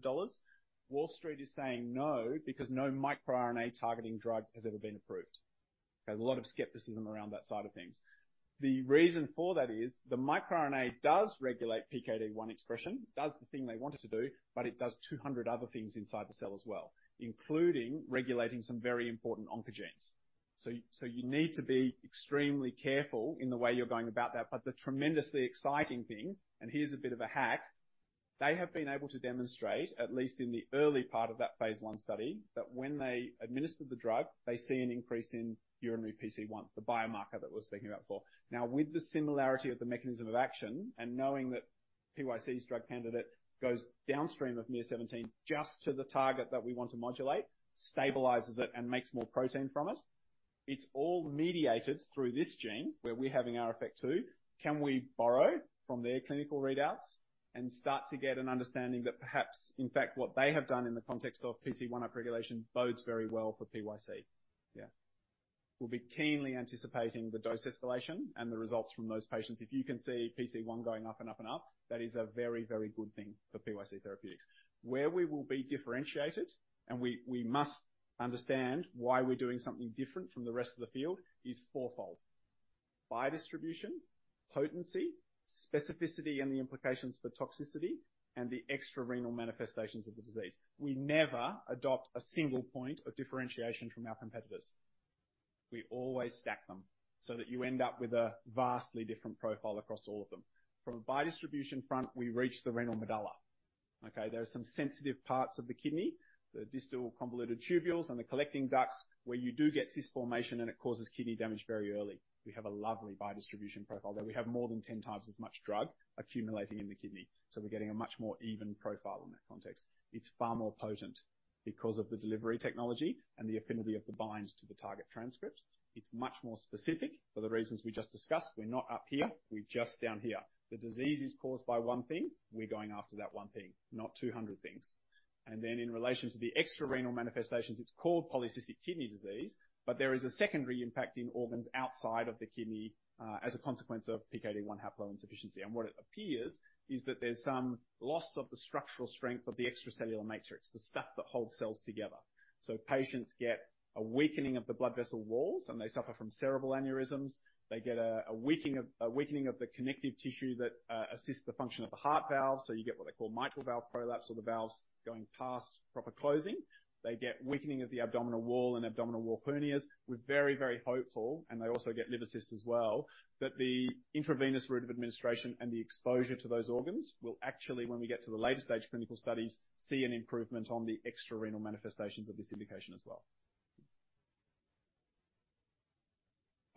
Wall Street is saying no, because no microRNA targeting drug has ever been approved. There's a lot of skepticism around that side of things. The reason for that is the microRNA does regulate PKD1 expression, does the thing they want it to do, but it does 200 other things inside the cell as well, including regulating some very important oncogenes. So, so you need to be extremely careful in the way you're going about that. But the tremendously exciting thing, and here's a bit of a hack, they have been able to demonstrate, at least in the early part of that phase I study, that when they administered the drug, they see an increase in urinary PC1, the biomarker that we're speaking about for. Now, with the similarity of the mechanism of action and knowing that PYC's drug candidate goes downstream of miR-17, just to the target that we want to modulate, stabilizes it and makes more protein from it. It's all mediated through this gene, where we're having our effect, too. Can we borrow from their clinical readouts and start to get an understanding that perhaps, in fact, what they have done in the context of PC1 upregulation bodes very well for PYC? Yeah. We'll be keenly anticipating the dose escalation and the results from those patients. If you can see PC1 going up and up and up, that is a very, very good thing for PYC Therapeutics. Where we will be differentiated, and we, we must understand why we're doing something different from the rest of the field, is fourfold: by distribution, potency, specificity, and the implications for toxicity, and the extrarenal manifestations of the disease. We never adopt a single point of differentiation from our competitors. We always stack them so that you end up with a vastly different profile across all of them. From a biodistribution front, we reach the renal medulla. Okay, there are some sensitive parts of the kidney, the distal convoluted tubules and the collecting ducts, where you do get cyst formation, and it causes kidney damage very early. We have a lovely biodistribution profile there. We have more than 10 times as much drug accumulating in the kidney, so we're getting a much more even profile in that context. It's far more potent because of the delivery technology and the affinity of the bind to the target transcript. It's much more specific for the reasons we just discussed. We're not up here; we're just down here. The disease is caused by one thing. We're going after that one thing, not 200 things. Then, in relation to the extrarenal manifestations, it's called polycystic kidney disease, but there is a secondary impact in organs outside of the kidney, as a consequence of PKD1 haploinsufficiency. What it appears is that there's some loss of the structural strength of the extracellular matrix, the stuff that holds cells together. So patients get a weakening of the blood vessel walls, and they suffer from cerebral aneurysms. They get a weakening of the connective tissue that assists the function of the heart valve. So you get what they call mitral valve prolapse or the valves going past proper closing. They get weakening of the abdominal wall and abdominal wall hernias. We're very, very hopeful, and they also get liver cysts as well, that the intravenous route of administration and the exposure to those organs will actually, when we get to the later stage clinical studies, see an improvement on the extrarenal manifestations of this indication as well.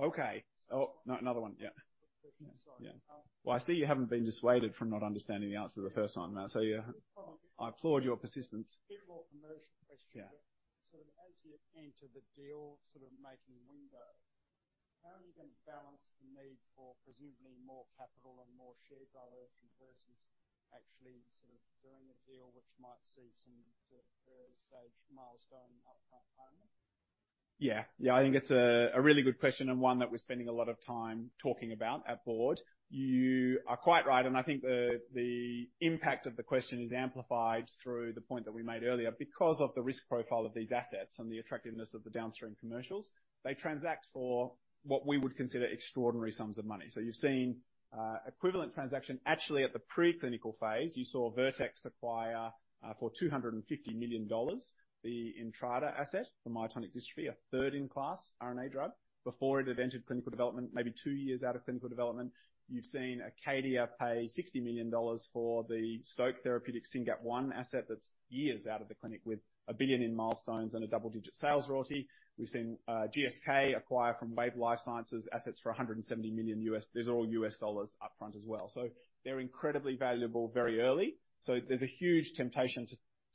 Okay. Oh, no, another one. Yeah. Sorry. Yeah. Well, I see you haven't been dissuaded from not understanding the answer the first time, so yeah, I applaud your persistence. A bit more commercial question. Yeah. Into the deal sort of making window, how are you going to balance the need for presumably more capital and more share dilution versus actually sort of doing a deal which might see some sort of stage milestone upfront payment? Yeah. Yeah, I think it's a really good question and one that we're spending a lot of time talking about at board. You are quite right, and I think the impact of the question is amplified through the point that we made earlier. Because of the risk profile of these assets and the attractiveness of the downstream commercials, they transact for what we would consider extraordinary sums of money. So you've seen equivalent transaction actually, at the preclinical phase, you saw Vertex acquire for $250 million, the Entrada asset for myotonic dystrophy, a third-in-class RNA drug before it had entered clinical development, maybe two years out of clinical development. You've seen Acadia pay $60 million for the Stoke Therapeutics SYNGAP1 asset that's years out of the clinic, with $1 billion in milestones and a double-digit sales royalty. We've seen GSK acquire from Wave Life Sciences assets for $170 million. These are all US dollars upfront as well. So they're incredibly valuable very early. So there's a huge temptation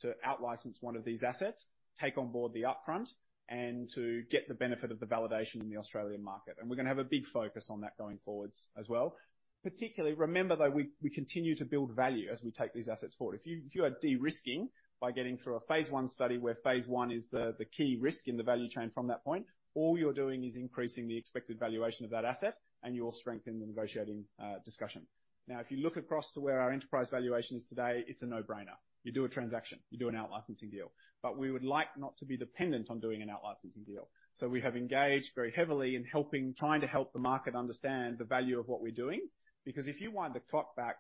to outlicense one of these assets, take on board the upfront, and to get the benefit of the validation in the Australian market. And we're gonna have a big focus on that going forwards as well. Particularly, remember, though, we continue to build value as we take these assets forward. If you are de-risking by getting through a phase I study, where phase I is the key risk in the value chain from that point, all you're doing is increasing the expected valuation of that asset, and you will strengthen the negotiating discussion. Now, if you look across to where our enterprise valuation is today, it's a no-brainer. You do a transaction, you do an out licensing deal. But we would like not to be dependent on doing an out licensing deal. So we have engaged very heavily in helping, trying to help the market understand the value of what we're doing because if you wind the clock back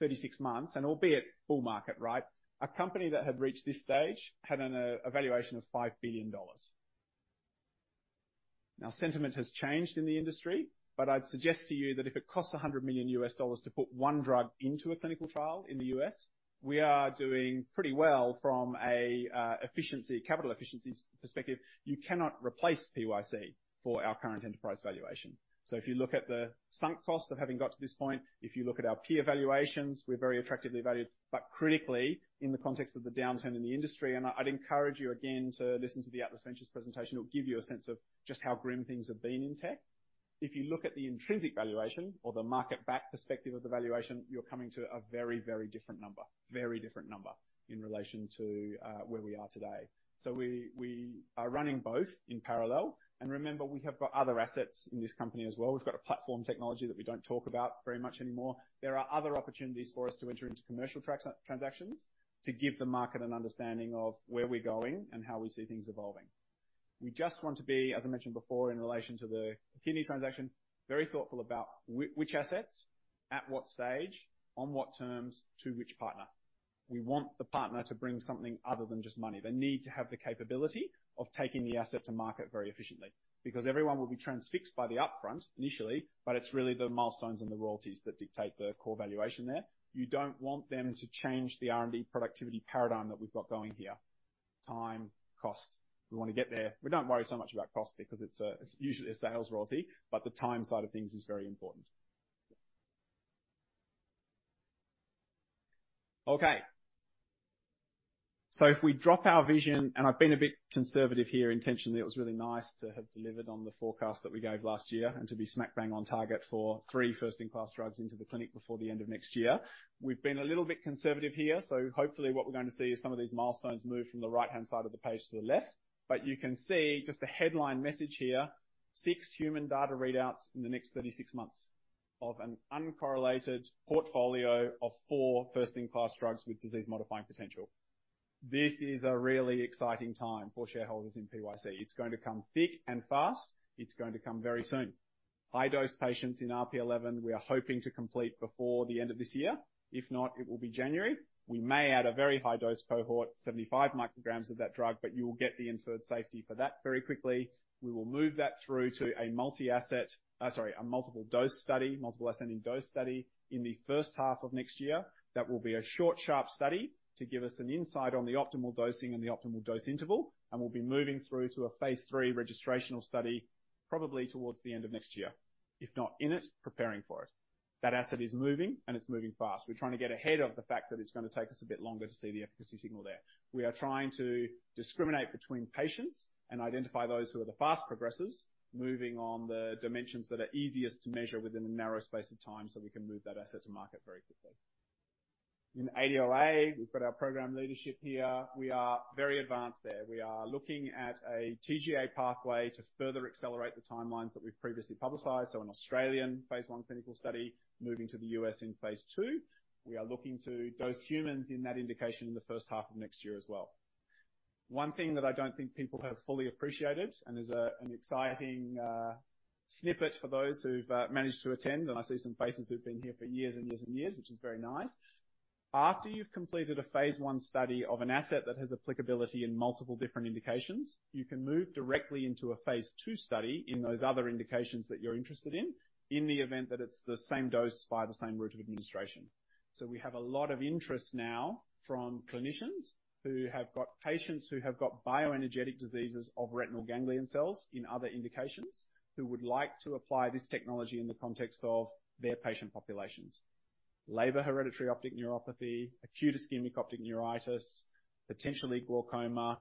36 months, and albeit bull market, right? A company that had reached this stage had a valuation of $5 billion. Now, sentiment has changed in the industry, but I'd suggest to you that if it costs $100 million to put one drug into a clinical trial in the US, we are doing pretty well from a efficiency, capital efficiency perspective. You cannot replace PYC for our current enterprise valuation. So if you look at the sunk cost of having got to this point, if you look at our peer evaluations, we're very attractively valued, but critically, in the context of the downturn in the industry, and I, I'd encourage you again to listen to the Atlas Venture presentation. It'll give you a sense of just how grim things have been in tech. If you look at the intrinsic valuation or the market back perspective of the valuation, you're coming to a very, very different number. Very different number in relation to where we are today. So we, we are running both in parallel, and remember, we have got other assets in this company as well. We've got a platform technology that we don't talk about very much anymore. There are other opportunities for us to enter into commercial transactions, to give the market an understanding of where we're going and how we see things evolving. We just want to be, as I mentioned before, in relation to the kidney transaction, very thoughtful about which assets, at what stage, on what terms, to which partner. We want the partner to bring something other than just money. They need to have the capability of taking the asset to market very efficiently, because everyone will be transfixed by the upfront initially, but it's really the milestones and the royalties that dictate the core valuation there. You don't want them to change the R&D productivity paradigm that we've got going here. Time, cost, we wanna get there. We don't worry so much about cost because it's a, it's usually a sales royalty, but the time side of things is very important. Okay. So if we drop our vision, and I've been a bit conservative here intentionally, it was really nice to have delivered on the forecast that we gave last year and to be smack bang on target for 3 first-in-class drugs into the clinic before the end of next year. We've been a little bit conservative here, so hopefully, what we're going to see is some of these milestones move from the right-hand side of the page to the left. But you can see just the headline message here, 6 human data readouts in the next 36 months of an uncorrelated portfolio of 4 first-in-class drugs with disease-modifying potential. This is a really exciting time for shareholders in PYC. It's going to come thick and fast. It's going to come very soon. High-dose patients in RP11, we are hoping to complete before the end of this year. If not, it will be January. We may add a very high dose cohort, 75 micrograms of that drug, but you will get the inferred safety for that very quickly. We will move that through to a multiple dose study, multiple ascending dose study in the first half of next year. That will be a short, sharp study to give us an insight on the optimal dosing and the optimal dose interval, and we'll be moving through to a phase III registrational study probably towards the end of next year. If not in it, preparing for it. That asset is moving, and it's moving fast. We're trying to get ahead of the fact that it's gonna take us a bit longer to see the efficacy signal there. We are trying to discriminate between patients and identify those who are the fast progressers, moving on the dimensions that are easiest to measure within a narrow space of time, so we can move that asset to market very quickly. In ADOA, we've got our program leadership here. We are very advanced there. We are looking at a TGA pathway to further accelerate the timelines that we've previously publicized, so an Australian phase I clinical study moving to the U.S. in phase II. We are looking to dose humans in that indication in the first half of next year as well. One thing that I don't think people have fully appreciated, and is, an exciting, snippet for those who've, managed to attend, and I see some faces who've been here for years and years and years, which is very nice. After you've completed a phase I study of an asset that has applicability in multiple different indications, you can move directly into a phase II study in those other indications that you're interested in, in the event that it's the same dose by the same route of administration. So we have a lot of interest now from clinicians who have got patients who have got bioenergetic diseases of retinal ganglion cells in other indications, who would like to apply this technology in the context of their patient populations.... Leber hereditary optic neuropathy, acute ischemic optic neuritis, potentially glaucoma.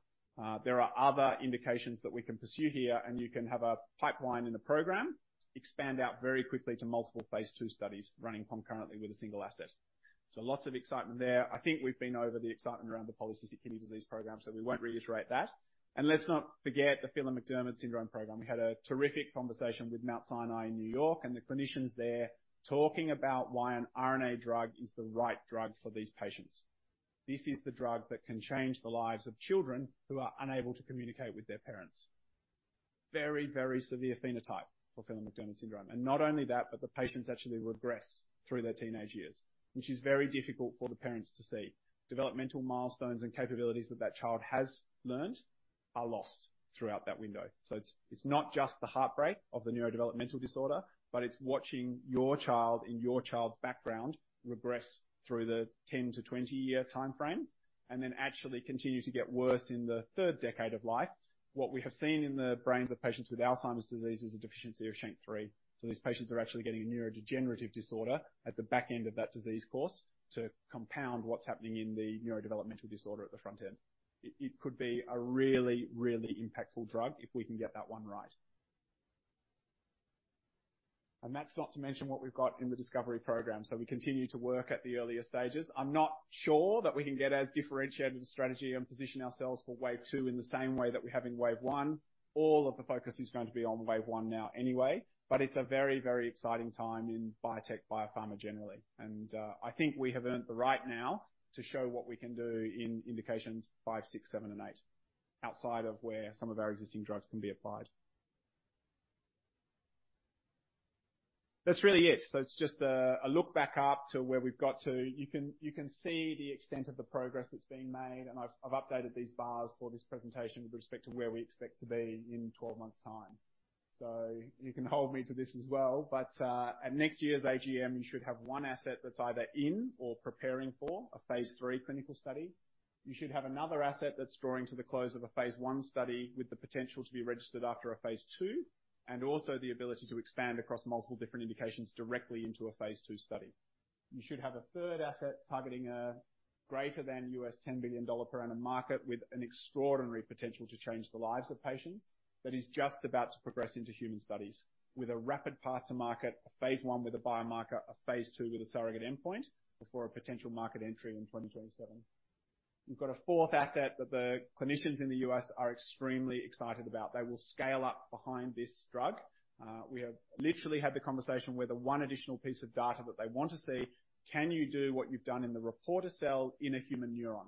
There are other indications that we can pursue here, and you can have a pipeline in the program expand out very quickly to multiple phase II studies running concurrently with a single asset. So lots of excitement there. I think we've been over the excitement around the polycystic kidney disease program, so we won't reiterate that. And let's not forget the Phelan-McDermid syndrome program. We had a terrific conversation with Mount Sinai in New York, and the clinicians there talking about why an RNA drug is the right drug for these patients. This is the drug that can change the lives of children who are unable to communicate with their parents. Very, very severe phenotype for Phelan-McDermid syndrome. And not only that, but the patients actually regress through their teenage years, which is very difficult for the parents to see. Developmental milestones and capabilities that child has learned are lost throughout that window. So it's not just the heartbreak of the neurodevelopmental disorder, but it's watching your child and your child's background regress through the 10-20-year time frame, and then actually continue to get worse in the third decade of life. What we have seen in the brains of patients with Alzheimer's disease is a deficiency of SHANK3. So these patients are actually getting a neurodegenerative disorder at the back end of that disease course to compound what's happening in the neurodevelopmental disorder at the front end. It could be a really, really impactful drug if we can get that one right. And that's not to mention what we've got in the discovery program. So we continue to work at the earlier stages. I'm not sure that we can get as differentiated a strategy and position ourselves for wave two in the same way that we have in wave one. All of the focus is going to be on wave one now anyway, but it's a very, very exciting time in biotech, biopharma generally. And I think we have earned the right now to show what we can do in indications five, six, seven, and eight, outside of where some of our existing drugs can be applied. That's really it. So it's just a look back up to where we've got to. You can see the extent of the progress that's been made, and I've updated these bars for this presentation with respect to where we expect to be in twelve months' time. So you can hold me to this as well, but at next year's AGM, you should have one asset that's either in or preparing for a phase III clinical study. You should have another asset that's drawing to the close of a phase I study with the potential to be registered after a phase II, and also the ability to expand across multiple different indications directly into a phase II study. You should have a third asset targeting a greater than $10 billion per annum market with an extraordinary potential to change the lives of patients, that is just about to progress into human studies with a rapid path to market, a phase I with a biomarker, a phase II with a surrogate endpoint before a potential market entry in 2027. We've got a fourth asset that the clinicians in the U.S. are extremely excited about. They will scale up behind this drug. We have literally had the conversation with one additional piece of data that they want to see. Can you do what you've done in the reporter cell in a human neuron?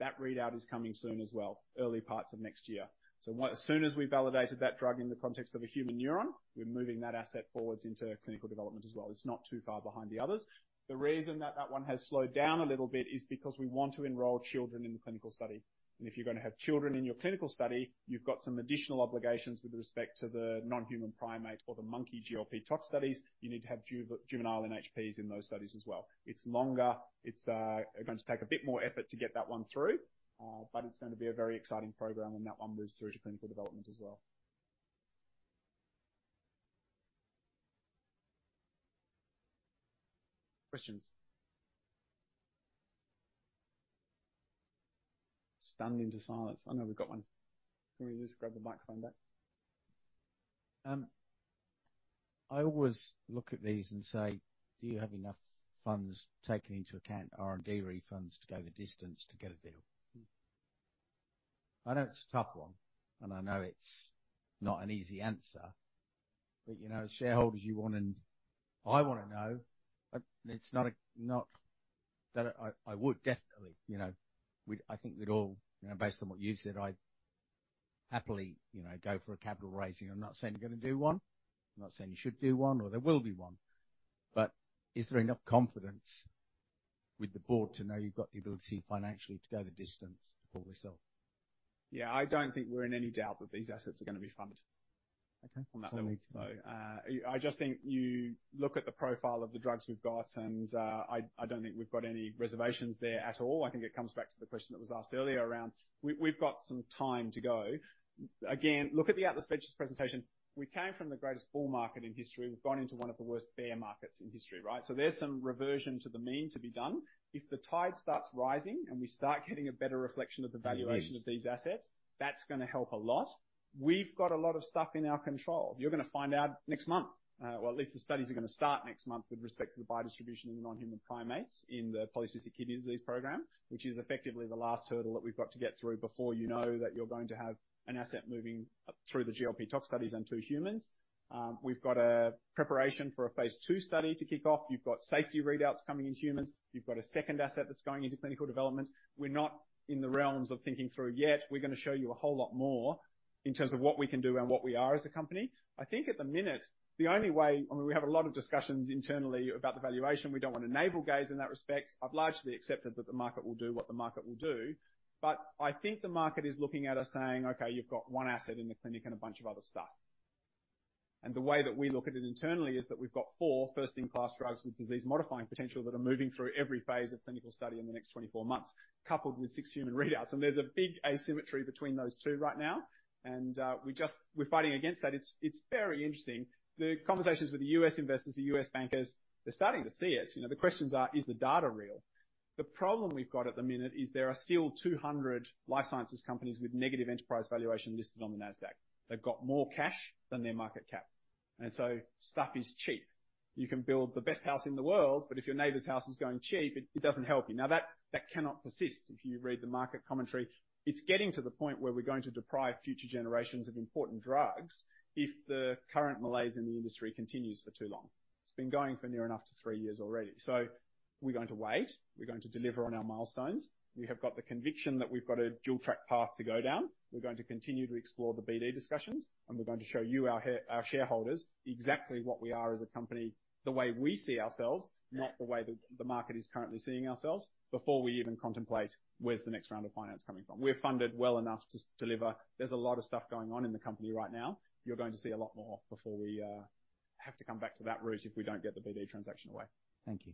That readout is coming soon as well, early parts of next year. So as soon as we validated that drug in the context of a human neuron, we're moving that asset forwards into clinical development as well. It's not too far behind the others. The reason that that one has slowed down a little bit is because we want to enroll children in the clinical study. And if you're gonna have children in your clinical study, you've got some additional obligations with respect to the non-human primate or the monkey GLP tox studies. You need to have juvenile NHPs in those studies as well. It's longer, it's, going to take a bit more effort to get that one through, but it's going to be a very exciting program when that one moves through to clinical development as well. Questions? Stunning to silence. I know we've got one. Can we just grab the microphone back? I always look at these and say: Do you have enough funds taking into account R&D refunds to go the distance to get a deal? I know it's a tough one, and I know it's not an easy answer, but, you know, as shareholders, you want and I wanna know, but it's not a not that I, I would definitely, you know, we I think we'd all, you know, based on what you've said, I'd happily, you know, go for a capital raising. I'm not saying you're gonna do one. I'm not saying you should do one or there will be one, but is there enough confidence with the board to know you've got the ability financially to go the distance to pull this off? Yeah, I don't think we're in any doubt that these assets are gonna be funded. Okay. On that one. So, I just think you look at the profile of the drugs we've got, and I don't think we've got any reservations there at all. I think it comes back to the question that was asked earlier around... We've got some time to go. Again, look at the Atlas Venture presentation. We came from the greatest bull market in history. We've gone into one of the worst bear markets in history, right? So there's some reversion to the mean to be done. If the tide starts rising and we start getting a better reflection of the valuation- It is. of these assets, that's gonna help a lot. We've got a lot of stuff in our control. You're gonna find out next month, or at least the studies are gonna start next month with respect to the biodistribution in non-human primates in the polycystic kidney disease program, which is effectively the last hurdle that we've got to get through before you know that you're going to have an asset moving through the GLP tox studies into humans. We've got a preparation for a phase II study to kick off. You've got safety readouts coming in humans. You've got a second asset that's going into clinical development. We're not in the realms of thinking through yet. We're gonna show you a whole lot more in terms of what we can do and what we are as a company. I think at the minute, the only way I mean, we have a lot of discussions internally about the valuation. We don't want to navel gaze in that respect. I've largely accepted that the market will do what the market will do, but I think the market is looking at us saying, "Okay, you've got one asset in the clinic and a bunch of other stuff." And the way that we look at it internally is that we've got four first-in-class drugs with disease-modifying potential that are moving through every phase of clinical study in the next 24 months, coupled with 6 human readouts. And there's a big asymmetry between those two right now, and we're fighting against that. It's very interesting. The conversations with the U.S. investors, the U.S. bankers, they're starting to see us. You know, the questions are: Is the data real? The problem we've got at the minute is there are still 200 life sciences companies with negative enterprise valuation listed on the Nasdaq. They've got more cash than their market cap, and so stuff is cheap. You can build the best house in the world, but if your neighbor's house is going cheap, it, it doesn't help you. Now, that, that cannot persist. If you read the market commentary, it's getting to the point where we're going to deprive future generations of important drugs if the current malaise in the industry continues for too long. It's been going for near enough to 3 years already. So we're going to wait. We're going to deliver on our milestones. We have got the conviction that we've got a dual track path to go down. We're going to continue to explore the BD discussions, and we're going to show you, our shareholders, exactly what we are as a company, the way we see ourselves, not the way the market is currently seeing ourselves, before we even contemplate where's the next round of finance coming from. We're funded well enough to deliver. There's a lot of stuff going on in the company right now. You're going to see a lot more before we have to come back to that route if we don't get the BD transaction away. Thank you.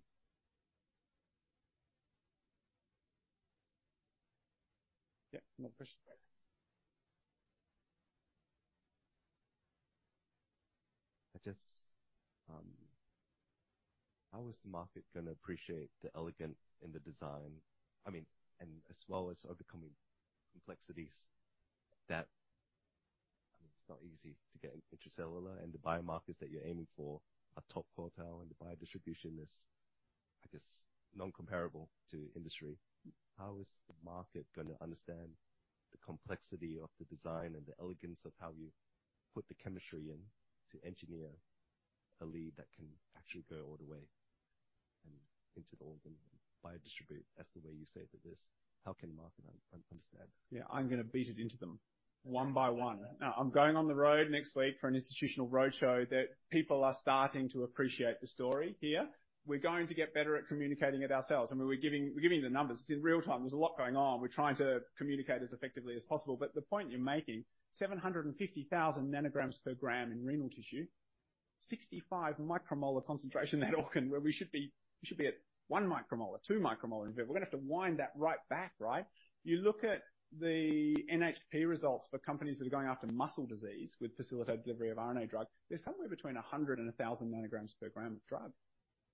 Yeah. More questions? I just, How is the market gonna appreciate the elegant in the design? I mean, and as well as overcoming complexities, that, I mean, it's not easy to get intracellular and the biomarkers that you're aiming for are top quartile, and the biodistribution is, I guess, non-comparable to industry. How is the market gonna understand the complexity of the design and the elegance of how you put the chemistry in to engineer a lead that can actually go all the way and into the organ and biodistribute, as the way you say it is? How can the market understand? Yeah, I'm gonna beat it into them one by one. Now, I'm going on the road next week for an institutional roadshow that people are starting to appreciate the story here. We're going to get better at communicating it ourselves. I mean, we're giving, we're giving you the numbers. It's in real time. There's a lot going on. We're trying to communicate as effectively as possible. But the point you're making, 750,000 nanograms per gram in renal tissue, 65 micromolar concentration in that organ, where we should be- we should be at 1 micromolar, 2 micromolar. We're gonna have to wind that right back, right? You look at the NHP results for companies that are going after muscle disease with facilitated delivery of RNA drug. They're somewhere between 100 and 1,000 nanograms per gram of drug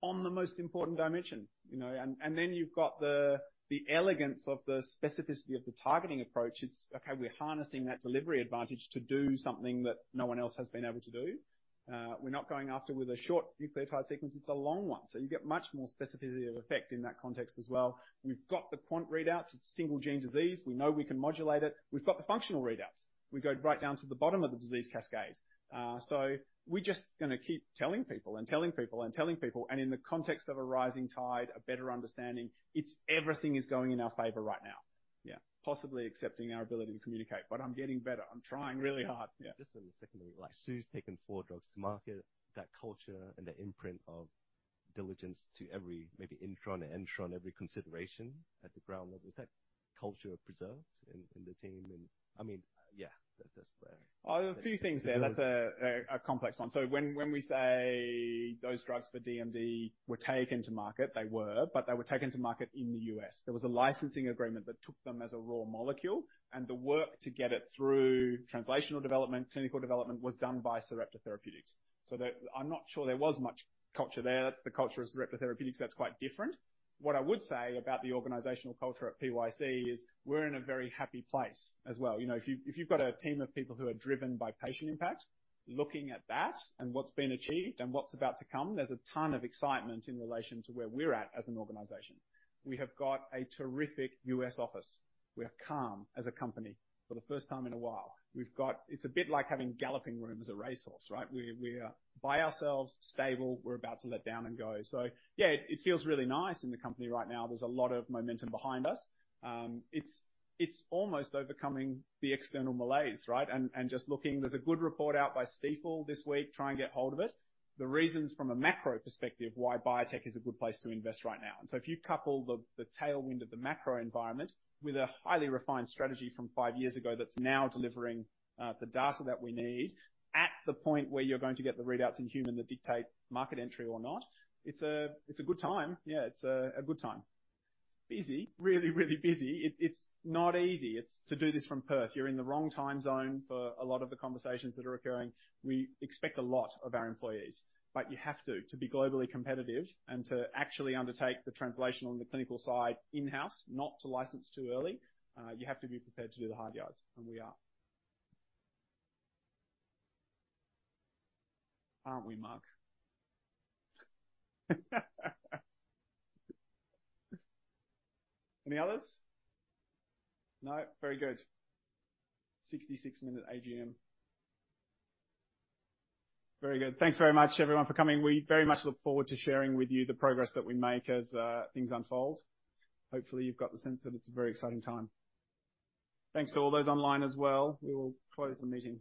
on the most important dimension, you know? And then you've got the elegance of the specificity of the targeting approach. It's okay, we're harnessing that delivery advantage to do something that no one else has been able to do. We're not going after with a short nucleotide sequence, it's a long one, so you get much more specificity of effect in that context as well. We've got the quant readouts. It's a single gene disease. We know we can modulate it. We've got the functional readouts. We go right down to the bottom of the disease cascade. So we're just gonna keep telling people and telling people and telling people, and in the context of a rising tide, a better understanding. It's everything is going in our favor right now. Yeah, possibly excepting our ability to communicate, but I'm getting better. I'm trying really hard. Yeah. Just on the secondly, like, Sue's taken four drugs to market. That culture and the imprint of diligence to every maybe intron and exon, every consideration at the ground level, is that culture preserved in the team? And, I mean, yeah, that's where Oh, there are a few things there. That's a complex one. So when we say those drugs for DMD were taken to market, they were, but they were taken to market in the U.S. There was a licensing agreement that took them as a raw molecule, and the work to get it through translational development, clinical development, was done by Sarepta Therapeutics. So there I'm not sure there was much culture there. That's the culture of Sarepta Therapeutics. That's quite different. What I would say about the organizational culture at PYC is we're in a very happy place as well. You know, if you, if you've got a team of people who are driven by patient impact, looking at that and what's been achieved and what's about to come, there's a ton of excitement in relation to where we're at as an organization. We have got a terrific US office. We are calm as a company for the first time in a while. We've got It's a bit like having Galloping Room as a racehorse, right? We're, we are by ourselves, stable, we're about to let down and go. So yeah, it feels really nice in the company right now. There's a lot of momentum behind us. It's almost overcoming the external malaise, right? And just looking, there's a good report out by Stifel this week, try and get hold of it. The reasons from a macro perspective, why biotech is a good place to invest right now. And so if you couple the tailwind of the macro environment with a highly refined strategy from five years ago, that's now delivering the data that we need, at the point where you're going to get the readouts in human that dictate market entry or not, it's a good time. Yeah, it's a good time. It's busy, really, really busy. It's not easy to do this from Perth. You're in the wrong time zone for a lot of the conversations that are occurring. We expect a lot of our employees, but you have to be globally competitive and to actually undertake the translation on the clinical side in-house, not to license too early. You have to be prepared to do the hard yards, and we are. Aren't we, Mark? Any others? No? Very good. 66-minute AGM. Very good. Thanks very much, everyone, for coming. We very much look forward to sharing with you the progress that we make as things unfold. Hopefully, you've got the sense that it's a very exciting time. Thanks to all those online as well. We will close the meeting now.